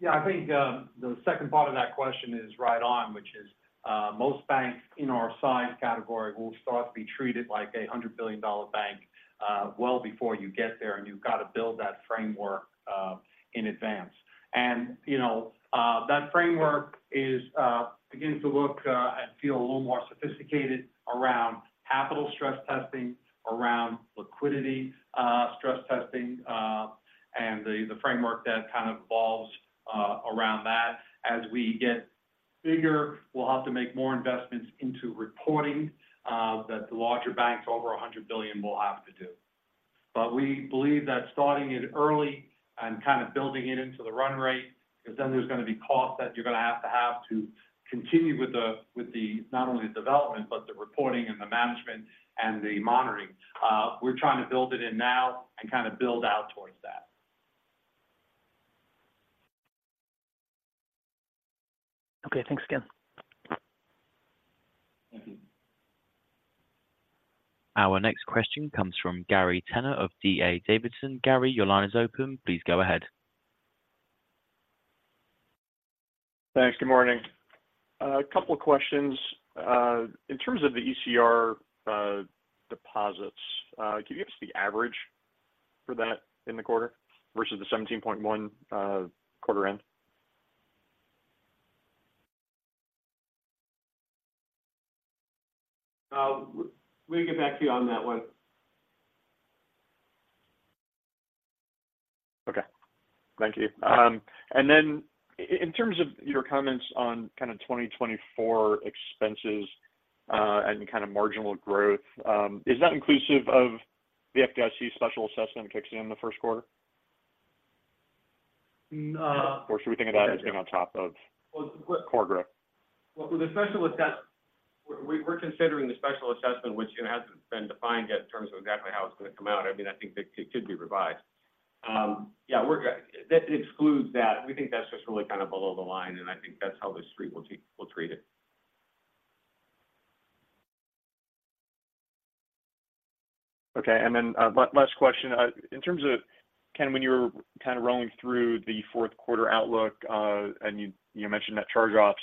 Yeah, I think the second part of that question is right on, which is most banks in our size category will start to be treated like a 100 billion-dollar bank well before you get there, and you've got to build that framework in advance. You know, that framework is beginning to look and feel a little more sophisticated around capital stress testing, around liquidity stress testing, and the framework that kind of evolves around that. As we get bigger, we'll have to make more investments into reporting that the larger banks over $100 billion will have to do. We believe that starting it early and kind of building it into the run rate, because then there's going to be costs that you're going to have to continue with not only the development, but the reporting and the management and the monitoring. We're trying to build it in now and kind of build out towards that. Okay, thanks again. Thank you. Our next question comes from Gary Tenner of D.A. Davidson. Gary, your line is open. Please go ahead. Thanks. Good morning. A couple of questions. In terms of the ECR deposits, can you give us the average for that in the quarter versus the 17.1 quarter-end? Let me get back to you on that one. Thank you. In terms of your comments on kind of 2024 expenses and kind of marginal growth, is that inclusive of the FDIC special assessment that kicks in the Q1? No. Or should we think of that as being on top of? Well- Core growth? Well, with the special assessment, we're considering the special assessment, which, you know, hasn't been defined yet in terms of exactly how it's going to come out. I mean, I think it could be revised. Yeah, that excludes that. We think that's just really kind of below the line, and I think that's how the Street will treat it. Okay. Last question. In terms of, Ken, when you were kind of rolling through the Q4 outlook and you mentioned net charge-offs,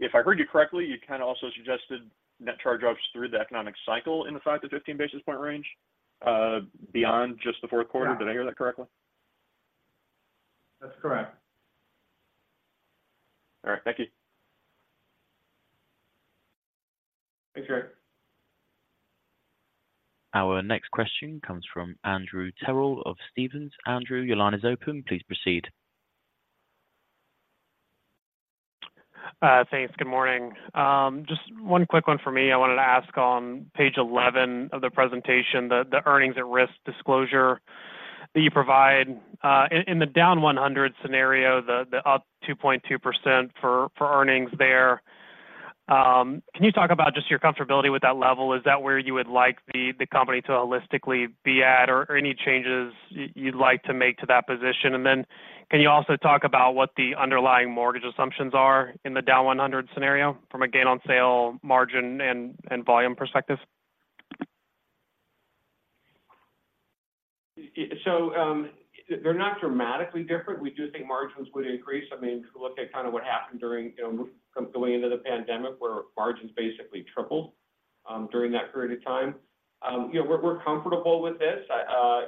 if I heard you correctly, you kind of also suggested net charge-offs through the economic cycle in the 5-15 basis point range beyond just the Q4. Yeah. Did I hear that correctly? That's correct. All right. Thank you. Thanks, Gary. Our next question comes from Andrew Terrell of Stephens. Andrew, your line is open. Please proceed. Thanks. Good morning. Just one quick one for me. I wanted to ask on page 11 of the presentation, the Earnings at Risk disclosure that you provide in the down 100 scenario, the up 2.2% for earnings there. Can you talk about just your comfortability with that level? Is that where you would like the company to holistically be at, or any changes you'd like to make to that position? Can you also talk about what the underlying mortgage assumptions are in the down 100 scenario from a gain on sale margin and volume perspective? They're not dramatically different. We do think margins would increase. I mean, if you look at kind of what happened during, you know, going into the pandemic, where margins basically tripled during that period of time. You know, we're comfortable with this,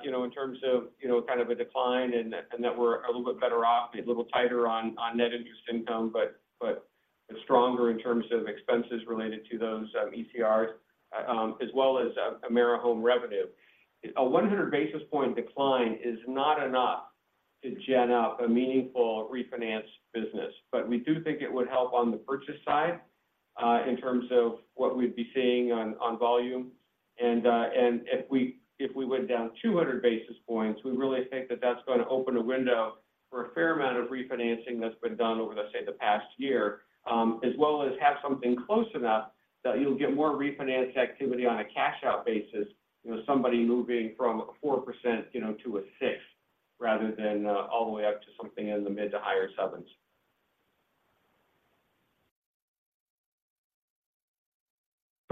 you know, in terms of, you know, kind of a decline and that we're a little bit better off, a little tighter on net interest income, but stronger in terms of expenses related to those ECRs, as well as AmeriHome revenue. A 100 basis point decline is not enough to gen up a meaningful refinance business, but we do think it would help on the purchase side in terms of what we'd be seeing on volume. If we went down 200 basis points, we really think that that's going to open a window for a fair amount of refinancing that's been done over, let's say, the past year, as well as have something close enough that you'll get more refinance activity on a cash-out basis. You know, somebody moving from a 4%, you know, to a 6, rather than all the way up to something in the mid to higher 7s.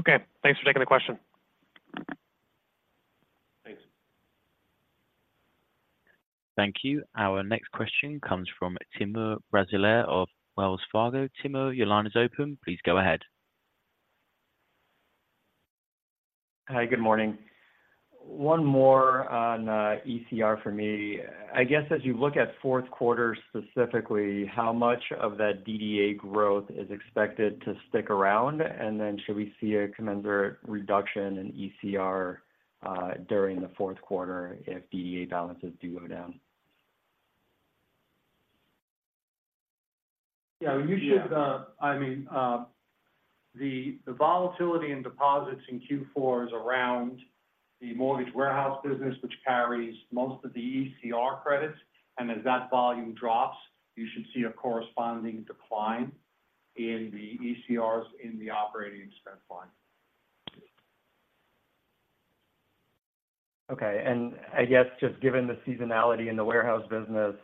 Okay, thanks for taking the question. Thanks. Thank you. Our next question comes from Timur Braziler of Wells Fargo. Timur, your line is open. Please go ahead. Hi, good morning. One more on ECR for me. I guess as you look at Q4, specifically, how much of that DDA growth is expected to stick around? Should we see a commensurate reduction in ECR during the Q4 if DDA balances do go down? Yeah, you should, I mean, the volatility in deposits in Q4 is around the mortgage warehouse business, which carries most of the ECR credits, and as that volume drops, you should see a corresponding decline in the ECRs in the operating expense line. Okay. I guess just given the seasonality in the warehouse business,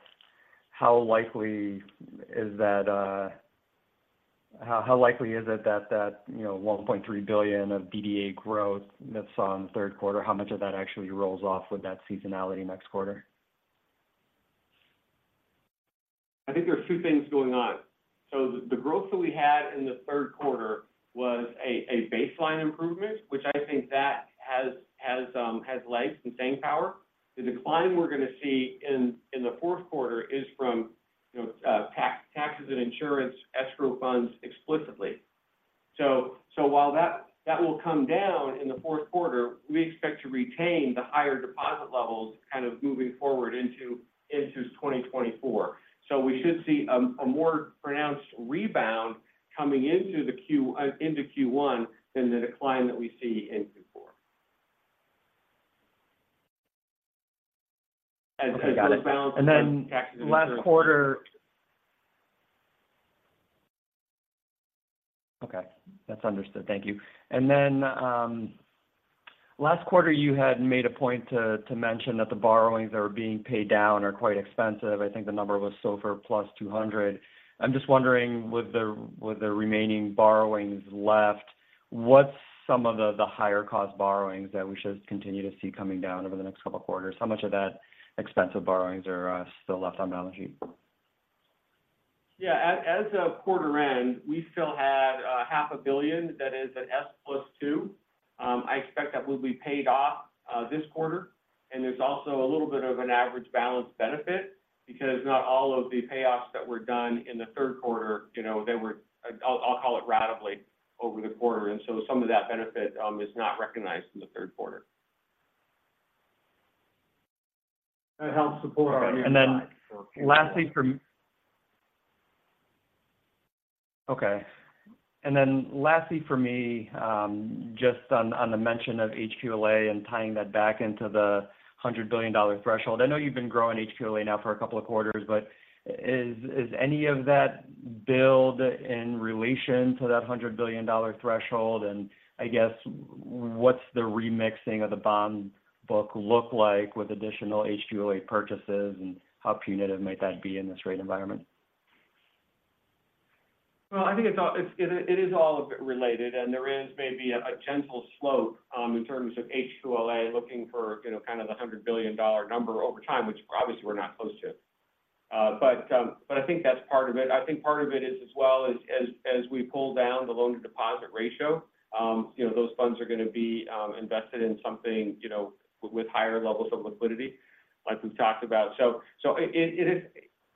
how likely is it that, you know, $1.3 billion of DDA growth that's on the Q3, how much of that actually rolls off with that seasonality next quarter? I think there are two things going on. The growth that we had in the Q3 was a baseline improvement, which I think that has legs and staying power. The decline we're going to see in the Q4 is from, you know, taxes and insurance, escrow funds explicitly. While that will come down in the Q4, we expect to retain the higher deposit levels kind of moving forward into 2024. We should see a more pronounced rebound coming into Q1 than the decline that we see in Q4. Okay, got it. The balance. Last quarter... Okay, that's understood. Thank you. Last quarter, you had made a point to mention that the borrowings that were being paid down are quite expensive. I think the number was SOFR plus 200. I'm just wondering, with the remaining borrowings left, what's some of the higher cost borrowings that we should continue to see coming down over the next couple of quarters? How much of that expensive borrowings are still left on the balance sheet? Yeah. As of quarter end, we still had $500 million that is an S+2. I expect that will be paid off this quarter, and there's also a little bit of an average balance benefit because not all of the payoffs that were done in the Q3, you know, they were, I'll call it, ratably over the quarter. So some of that benefit is not recognized in the Q3. That helps support our. Lastly, for me, just on the mention of HQLA and tying that back into the 100 billion-dollar threshold, I know you've been growing HQLA now for a couple of quarters, but is any of that build in relation to that 100 billion-dollar threshold? I guess, what's the remixing of the bond book look like with additional HQLA purchases, and how punitive might that be in this rate environment? Well, I think it is all a bit related, and there is maybe a gentle slope in terms of HQLA looking for, you know, kind of the $100 billion number over time, which obviously we're not close to. But I think that's part of it. I think part of it is as well as we pull down the Loan-to-Deposit Ratio, you know, those funds are going to be invested in something, you know, with higher levels of liquidity, like we've talked about. So it is,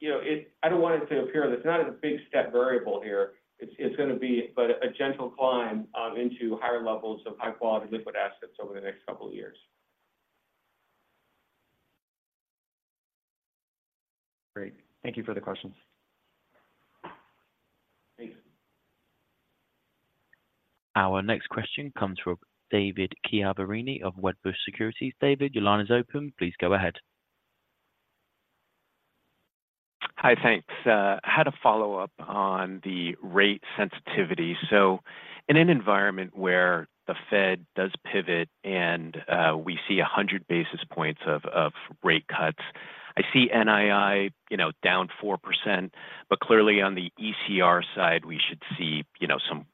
you know, I don't want it to appear that it's not a big step variable here. It's going to be, but a gentle climb into higher High-Quality Liquid Assets over the next couple of years. Great. Thank you for the questions. Thanks. Our next question comes from David Chiaverini of Wedbush Securities. David, your line is open. Please go ahead. Hi, thanks. I had a follow-up on the rate sensitivity. In an environment where the Fed does pivot and we see 100 basis points of rate cuts, I see NII, you know, down 4%, but clearly on the ECR side, we should see, you know, some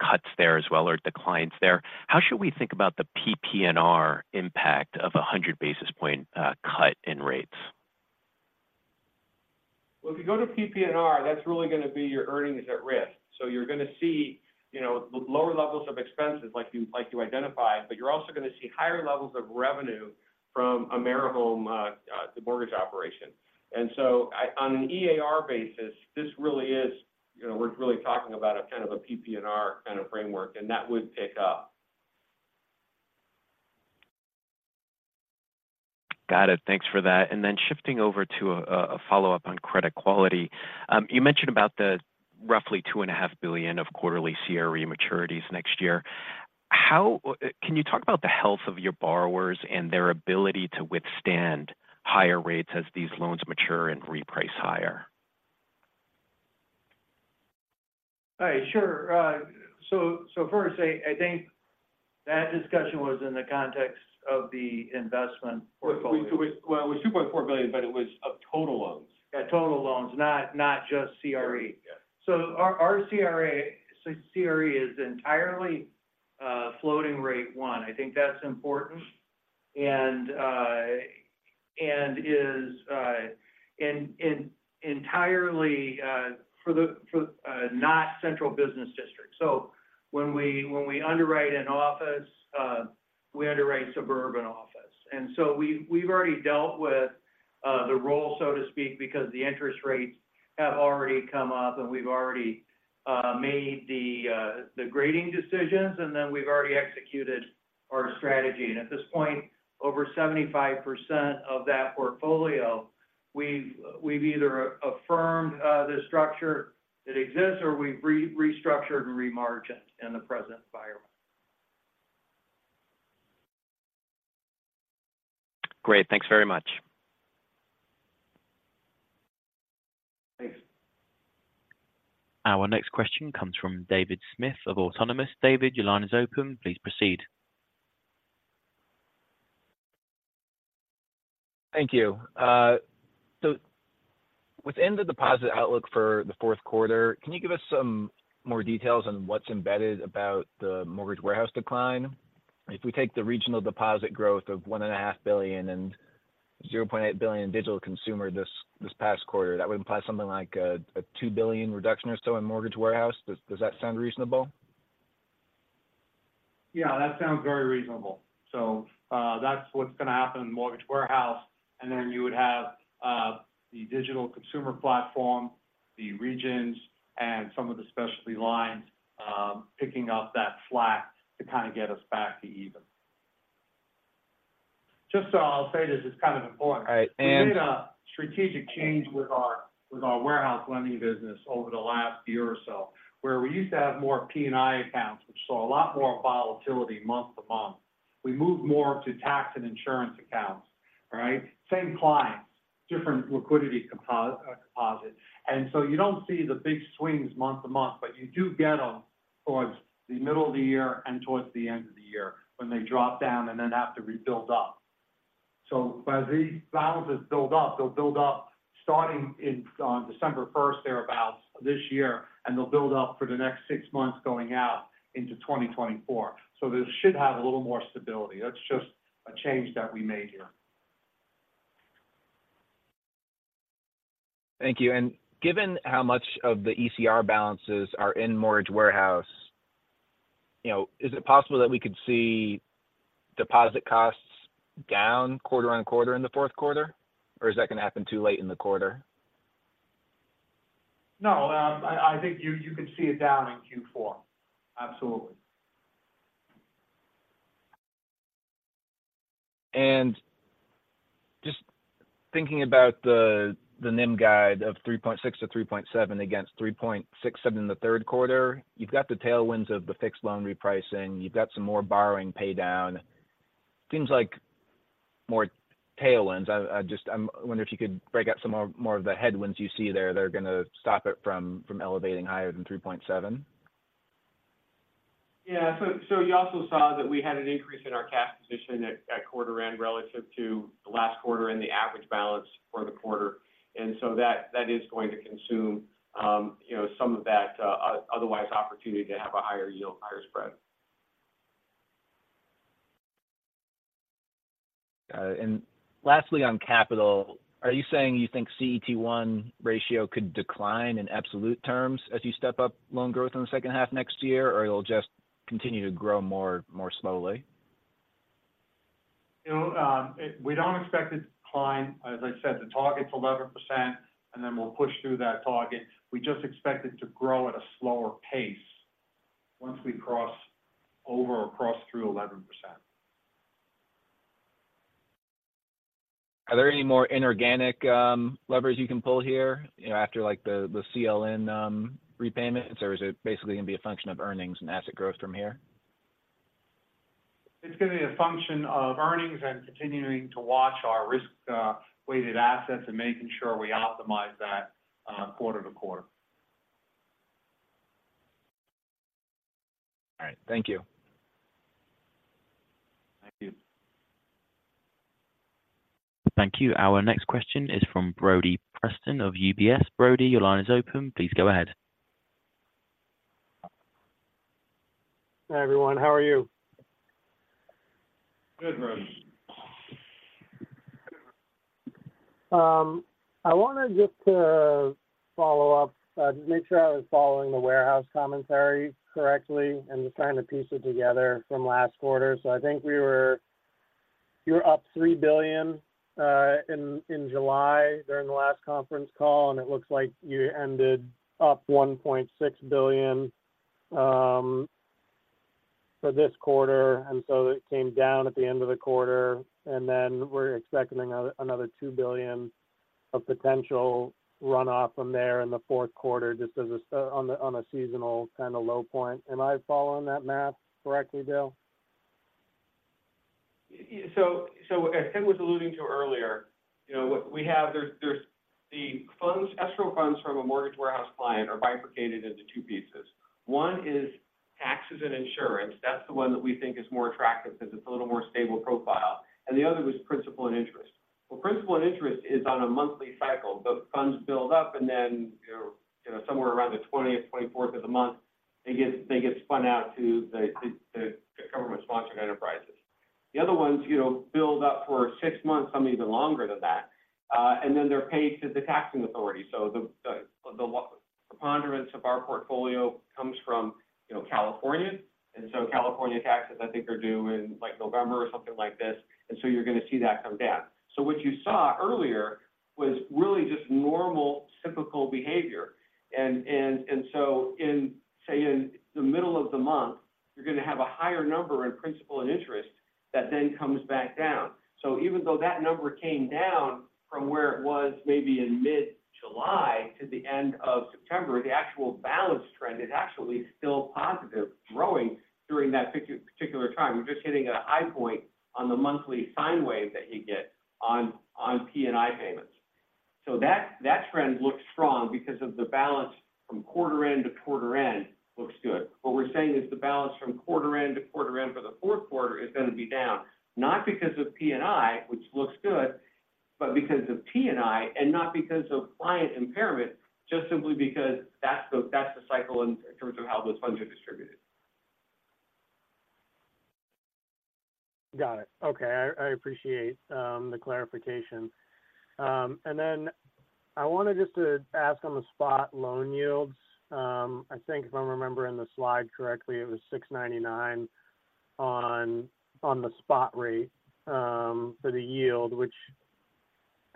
cuts there as well, or declines there. How should we think about the PPNR impact of 100 basis point cut in rates? Well, if you go to PPNR, that's really going to be your earnings at risk. You're going to see, you know, lower levels of expenses like you identified, but you're also going to see higher levels of revenue from AmeriHome, the mortgage operation. On an EAR basis, this really is, you know, we're really talking about a kind of a PPNR kind of framework, and that would pick up. Got it. Thanks for that. Shifting over to a follow-up on credit quality. You mentioned about the roughly $2.5 billion of quarterly CRE maturities next year. Can you talk about the health of your borrowers and their ability to withstand higher rates as these loans mature and reprice higher? All right, sure. First, I think that discussion was in the context of the investment for. Well, it was $2.4 billion, but it was of total loans. Yeah, total loans, not just CRE. Yeah. Our CRE is entirely floating rate one. I think that's important. And is entirely for the not central business district. When we underwrite an office, we underwrite suburban office. We've already dealt with the roll, so to speak, because the interest rates have already come up, and we've already made the grading decisions, and then we've already executed our strategy. At this point, over 75% of that portfolio, we've either affirmed the structure that exists or we've restructured and remargined in the present environment. Great. Thanks very much. Thanks. Our next question comes from David Smith of Autonomous. David, your line is open. Please proceed. Thank you. Within the deposit outlook for the Q4, can you give us some more details on what's embedded about the mortgage warehouse decline? If we take the regional deposit growth of $1.5 billion and $0.8 billion digital consumer this past quarter, that would imply something like a $2 billion reduction or so in mortgage warehouse. Does that sound reasonable? Yeah, that sounds very reasonable. That's what's going to happen in mortgage warehouse, and then you would have the digital consumer platform, the regions, and some of the specialty lines picking up that slack to kind of get us back to even. Just so I'll say this, it's kind of important. Right, and- This is grammatically awkward but word-for-word accurate. *Wait, "starting in, on December first"* "starting on December 1st". (Removed "in,"). *Wait, "deposi-- uh, deposit"* "deposit". (Removed "deposi-- uh,"). *Wait, "with our, with our"* "with our". (Removed "with our,"). *Wait, "And so you don't see..."* "You don't see..." (Removed "And so"). *Wait, "So this should have..."* "This should have..." (Removed "So"). *Wait, "So by these balances build up..."* "By these balances build up..." (Removed "So"). *Wait, "month to month"* "month-to-month". Thank you. Given how much of the ECR balances are in mortgage warehouse, you know, is it possible that we could see deposit costs down quarter-on-quarter in the Q4, or is that going to happen too late in the quarter? No, I think you could see it down in Q4. Absolutely. Just thinking about the NIM guide of 3.6-3.7 against 3.67 in the Q3, you've got the tailwinds of the fixed loan repricing, you've got some more borrowing paydown. Seems like more tailwinds. I just wonder if you could break out some more of the headwinds you see there that are going to stop it from elevating higher than 3.7. Yeah. You also saw that we had an increase in our cash position at quarter end relative to the last quarter and the average balance for the quarter. That is going to consume, you know, some of that otherwise opportunity to have a higher yield, higher spread. Lastly, on capital, are you saying you think CET1 ratio could decline in absolute terms as you step up loan growth in the second half next year, or it'll just continue to grow more slowly? You know, we don't expect it to decline. As I said, the target's 11%, and then we'll push through that target. We just expect it to grow at a slower pace once we cross over or cross through 11%. Are there any more inorganic levers you can pull here, you know, after like the CLN repayments, or is it basically going to be a function of earnings and asset growth from here? It's going to be a function of earnings and continuing to watch our risk weighted assets and making sure we optimize that quarter-to-quarter. All right. Thank you. Thank you. Thank you. Our next question is from Brody Preston of UBS. Brody, your line is open. Please go ahead. Hi, everyone. How are you? Good, Brody. I wanted just to follow up, just make sure I was following the warehouse commentary correctly and just trying to piece it together from last quarter. I think you were up $3 billion in July during the last conference call, and it looks like you ended up $1.6 billion for this quarter, and so it came down at the end of the quarter, and then we're expecting another $2 billion of potential runoff from there in the Q4, just as on a seasonal kind of low point. Am I following that math correctly, Dale? As Ken was alluding to earlier, you know, what we have, there's the escrow funds from a mortgage warehouse client are bifurcated into two pieces. One is taxes and insurance. That's the one that we think is more attractive because it's a little more stable profile. The other is principal and interest. Well, principal and interest is on a monthly cycle. The funds build up and then, you know, somewhere around the 20th, 24th of the month, they get spun out to the government-sponsored enterprises. The other ones, you know, build up for six months, some even longer than that. Then they're paid to the taxing authority. The preponderance of our portfolio comes from, you know, California. California taxes, I think, are due in, like, November or something like this, and so you're going to see that come down. What you saw earlier was really just normal, typical behavior. In, say, in the middle of the month, you're going to have a higher number in principal and interest that then comes back down. Even though that number came down from where it was maybe in mid-July to the end of September, the actual balance trend is actually still positive, growing during that particular time. We're just hitting a high point on the monthly sine wave that you get on P&I payments. That trend looks strong because of the balance from quarter-end to quarter-end looks good. What we're saying is the balance from quarter-end to quarter-end for the Q4 is going to be down, not because of P&I, which looks good, but because of P&I, and not because of client impairment, just simply because that's the cycle in terms of how those funds are distributed. Got it. Okay. I appreciate the clarification. I wanted just to ask on the spot loan yields. I think if I'm remembering the slide correctly, it was 6.99 on the spot rate for the yield,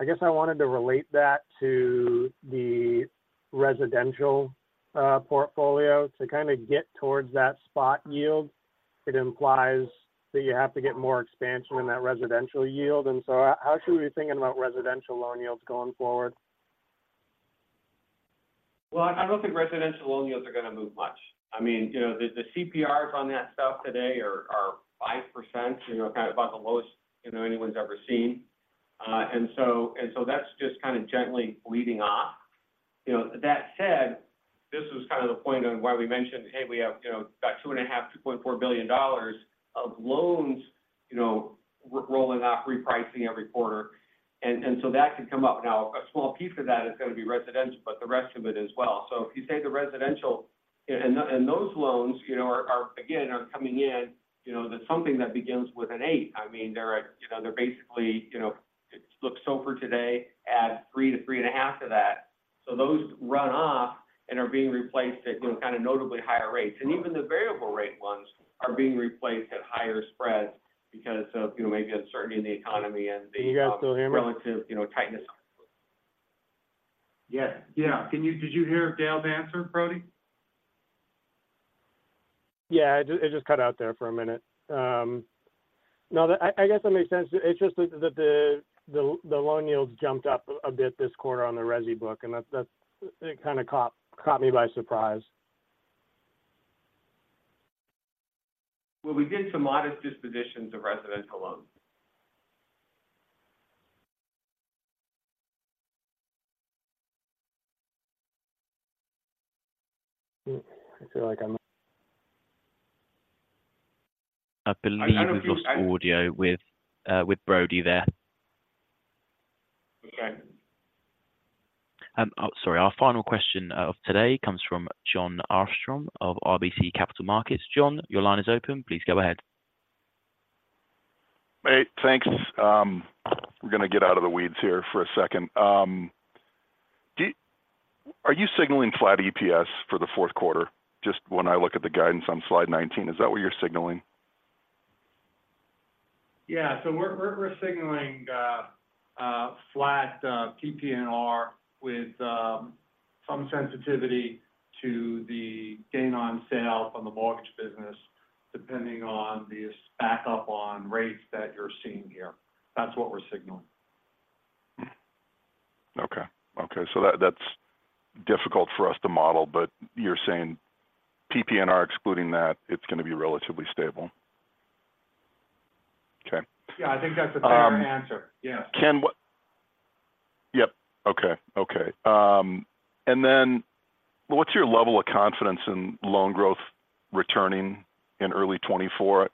which I guess I wanted to relate that to the residential portfolio. To kind of get towards that spot yield, it implies that you have to get more expansion in that residential yield. How should we be thinking about residential loan yields going forward? Well, I don't think residential loan yields are going to move much. I mean, you know, the CPRs on that stuff today are 5%, you know, kind of about the lowest, you know, anyone's ever seen. That's just kind of gently leading off. You know, that said, this is kind of the point on why we mentioned, hey, we have, you know, about $2.5 billion-2.4 billion of loans, you know, rolling off, repricing every quarter, and so that could come up. Now, a small piece of that is going to be residential, but the rest of it as well. If you say the residential and those loans, you know, are again coming in, you know, that's something that begins with an 8. I mean, you know, they're basically, you know, it looks SOFR today, add 3-3.5 to that. Those run off and are being replaced at, you know, kind of notably higher rates. Even the variable rate ones are being replaced at higher spreads because of, you know, maybe uncertainty in the economy and the. Can you guys still hear me? Relative, you know, tightness. Yeah, it just cut out there for a minute. No, I guess that makes sense. It's just that the loan yields jumped up a bit this quarter on the resi book, and that it kind of caught me by surprise. Well, we did some modest dispositions of residential loans. I feel like I'm. I believe we've lost audio with Brody there. Okay. Oh, sorry. Our final question of today comes from John Armstrong of RBC Capital Markets. John, your line is open. Please go ahead. Hey, thanks. We're going to get out of the weeds here for a second. Are you signaling flat EPS for the Q4? Just when I look at the guidance on slide 19, is that what you're signaling? Yeah. We're signaling flat PPNR with some sensitivity to the gain on sale on the mortgage business, depending on the backup on rates that you're seeing here. That's what we're signaling. Okay. Okay. That's difficult for us to model, but you're saying PPNR, excluding that, it's going to be relatively stable? Okay. Yeah, I think that's a fair answer. Um- Yeah. Yep. Okay. Okay. What's your level of confidence in loan growth returning in early 2024?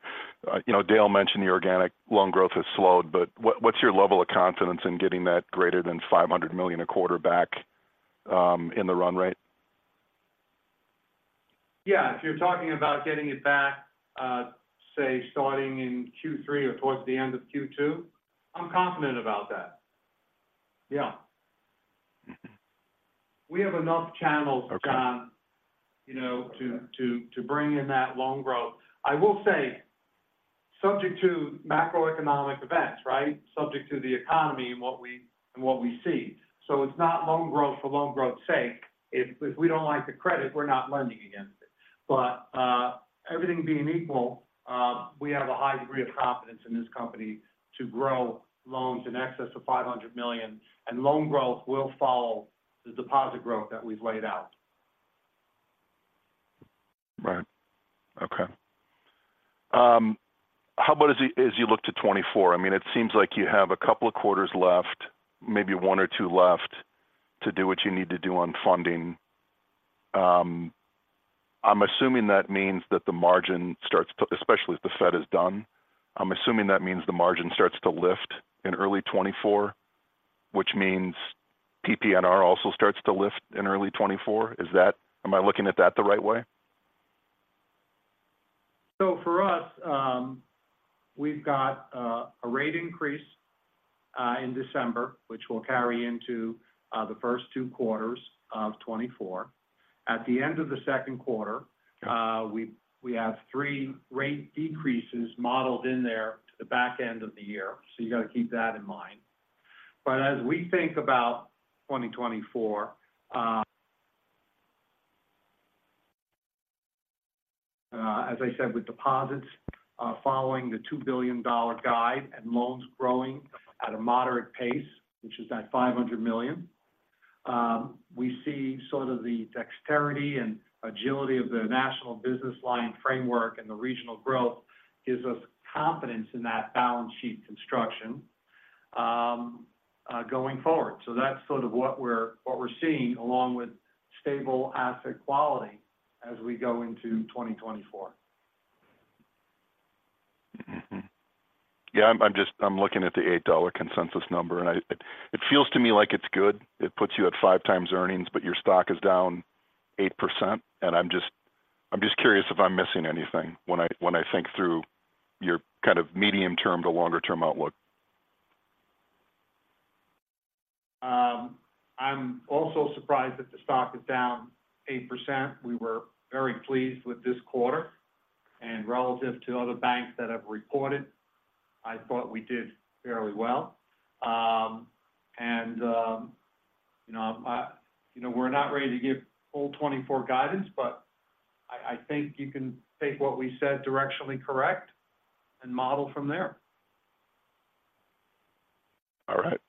You know, Dale mentioned the organic loan growth has slowed, but what's your level of confidence in getting that greater than $500 million a quarter back in the run rate? Yeah. If you're talking about getting it back, say, starting in Q3 or towards the end of Q2, I'm confident about that. Yeah. Mm-hmm. We have enough channels. Okay You know, to bring in that loan growth. I will say, subject to macroeconomic events, right? Subject to the economy and what we see. It's not loan growth for loan growth sake. If we don't like the credit, we're not lending against it. Everything being equal, we have a high degree of confidence in this company to grow loans in excess of $500 million, and loan growth will follow the deposit growth that we've laid out. Right. Okay. How about as you look to 2024? I mean, it seems like you have a couple of quarters left, maybe one or two left, to do what you need to do on funding. I'm assuming that means that the margin starts to, especially if the Fed is done, I'm assuming that means the margin starts to lift in early 2024, which means PPNR also starts to lift in early 2024. Am I looking at that the right way? We've got a rate increase in December, which will carry into the first two quarters of 2024. At the end of the Q2, we have three rate decreases modeled in there to the back end of the year, so you got to keep that in mind. As we think about 2024, as I said, with deposits following the $2 billion guide and loans growing at a moderate pace, which is that $500 million, we see sort of the dexterity and agility of the national business line framework, and the regional growth gives us confidence in that balance sheet construction going forward. That's sort of what we're seeing, along with stable asset quality as we go into 2024. * *Wait, let's look at "eight dollar consensus number":* "$8 consensus number". * *Wait, let's look at "five times earnings":* "five times earnings". * *Wait, let's look at "eight percent":* "8%". directionally correct and model from there." * Is "You know" a starter conjunction? No. * Wait, "but I think..." * Is "but" a starter conjunction? No, it's in the middle of the sentence. * Wait, "I'm also surprised that the stock is down -8%." * Is "I'm" a starter conjunction? No. * Wait, "I'm also surprised that the stock is down -8%." * All right.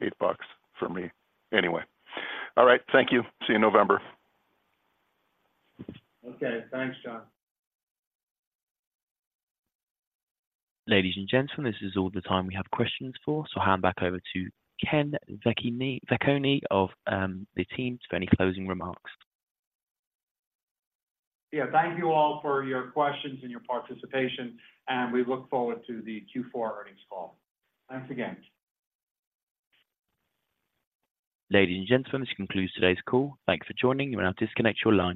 $8 for me anyway. All right. Thank you. See you in November. Okay. Thanks, John. Ladies and gentlemen, this is all the time we have questions for. I'll hand back over to Ken Vecchione of the team for any closing remarks. Yeah, thank you all for your questions and your participation. We look forward to the Q4 earnings call. Thanks again. Ladies and gentlemen, this concludes today's call. Thank you for joining. You may now disconnect your line.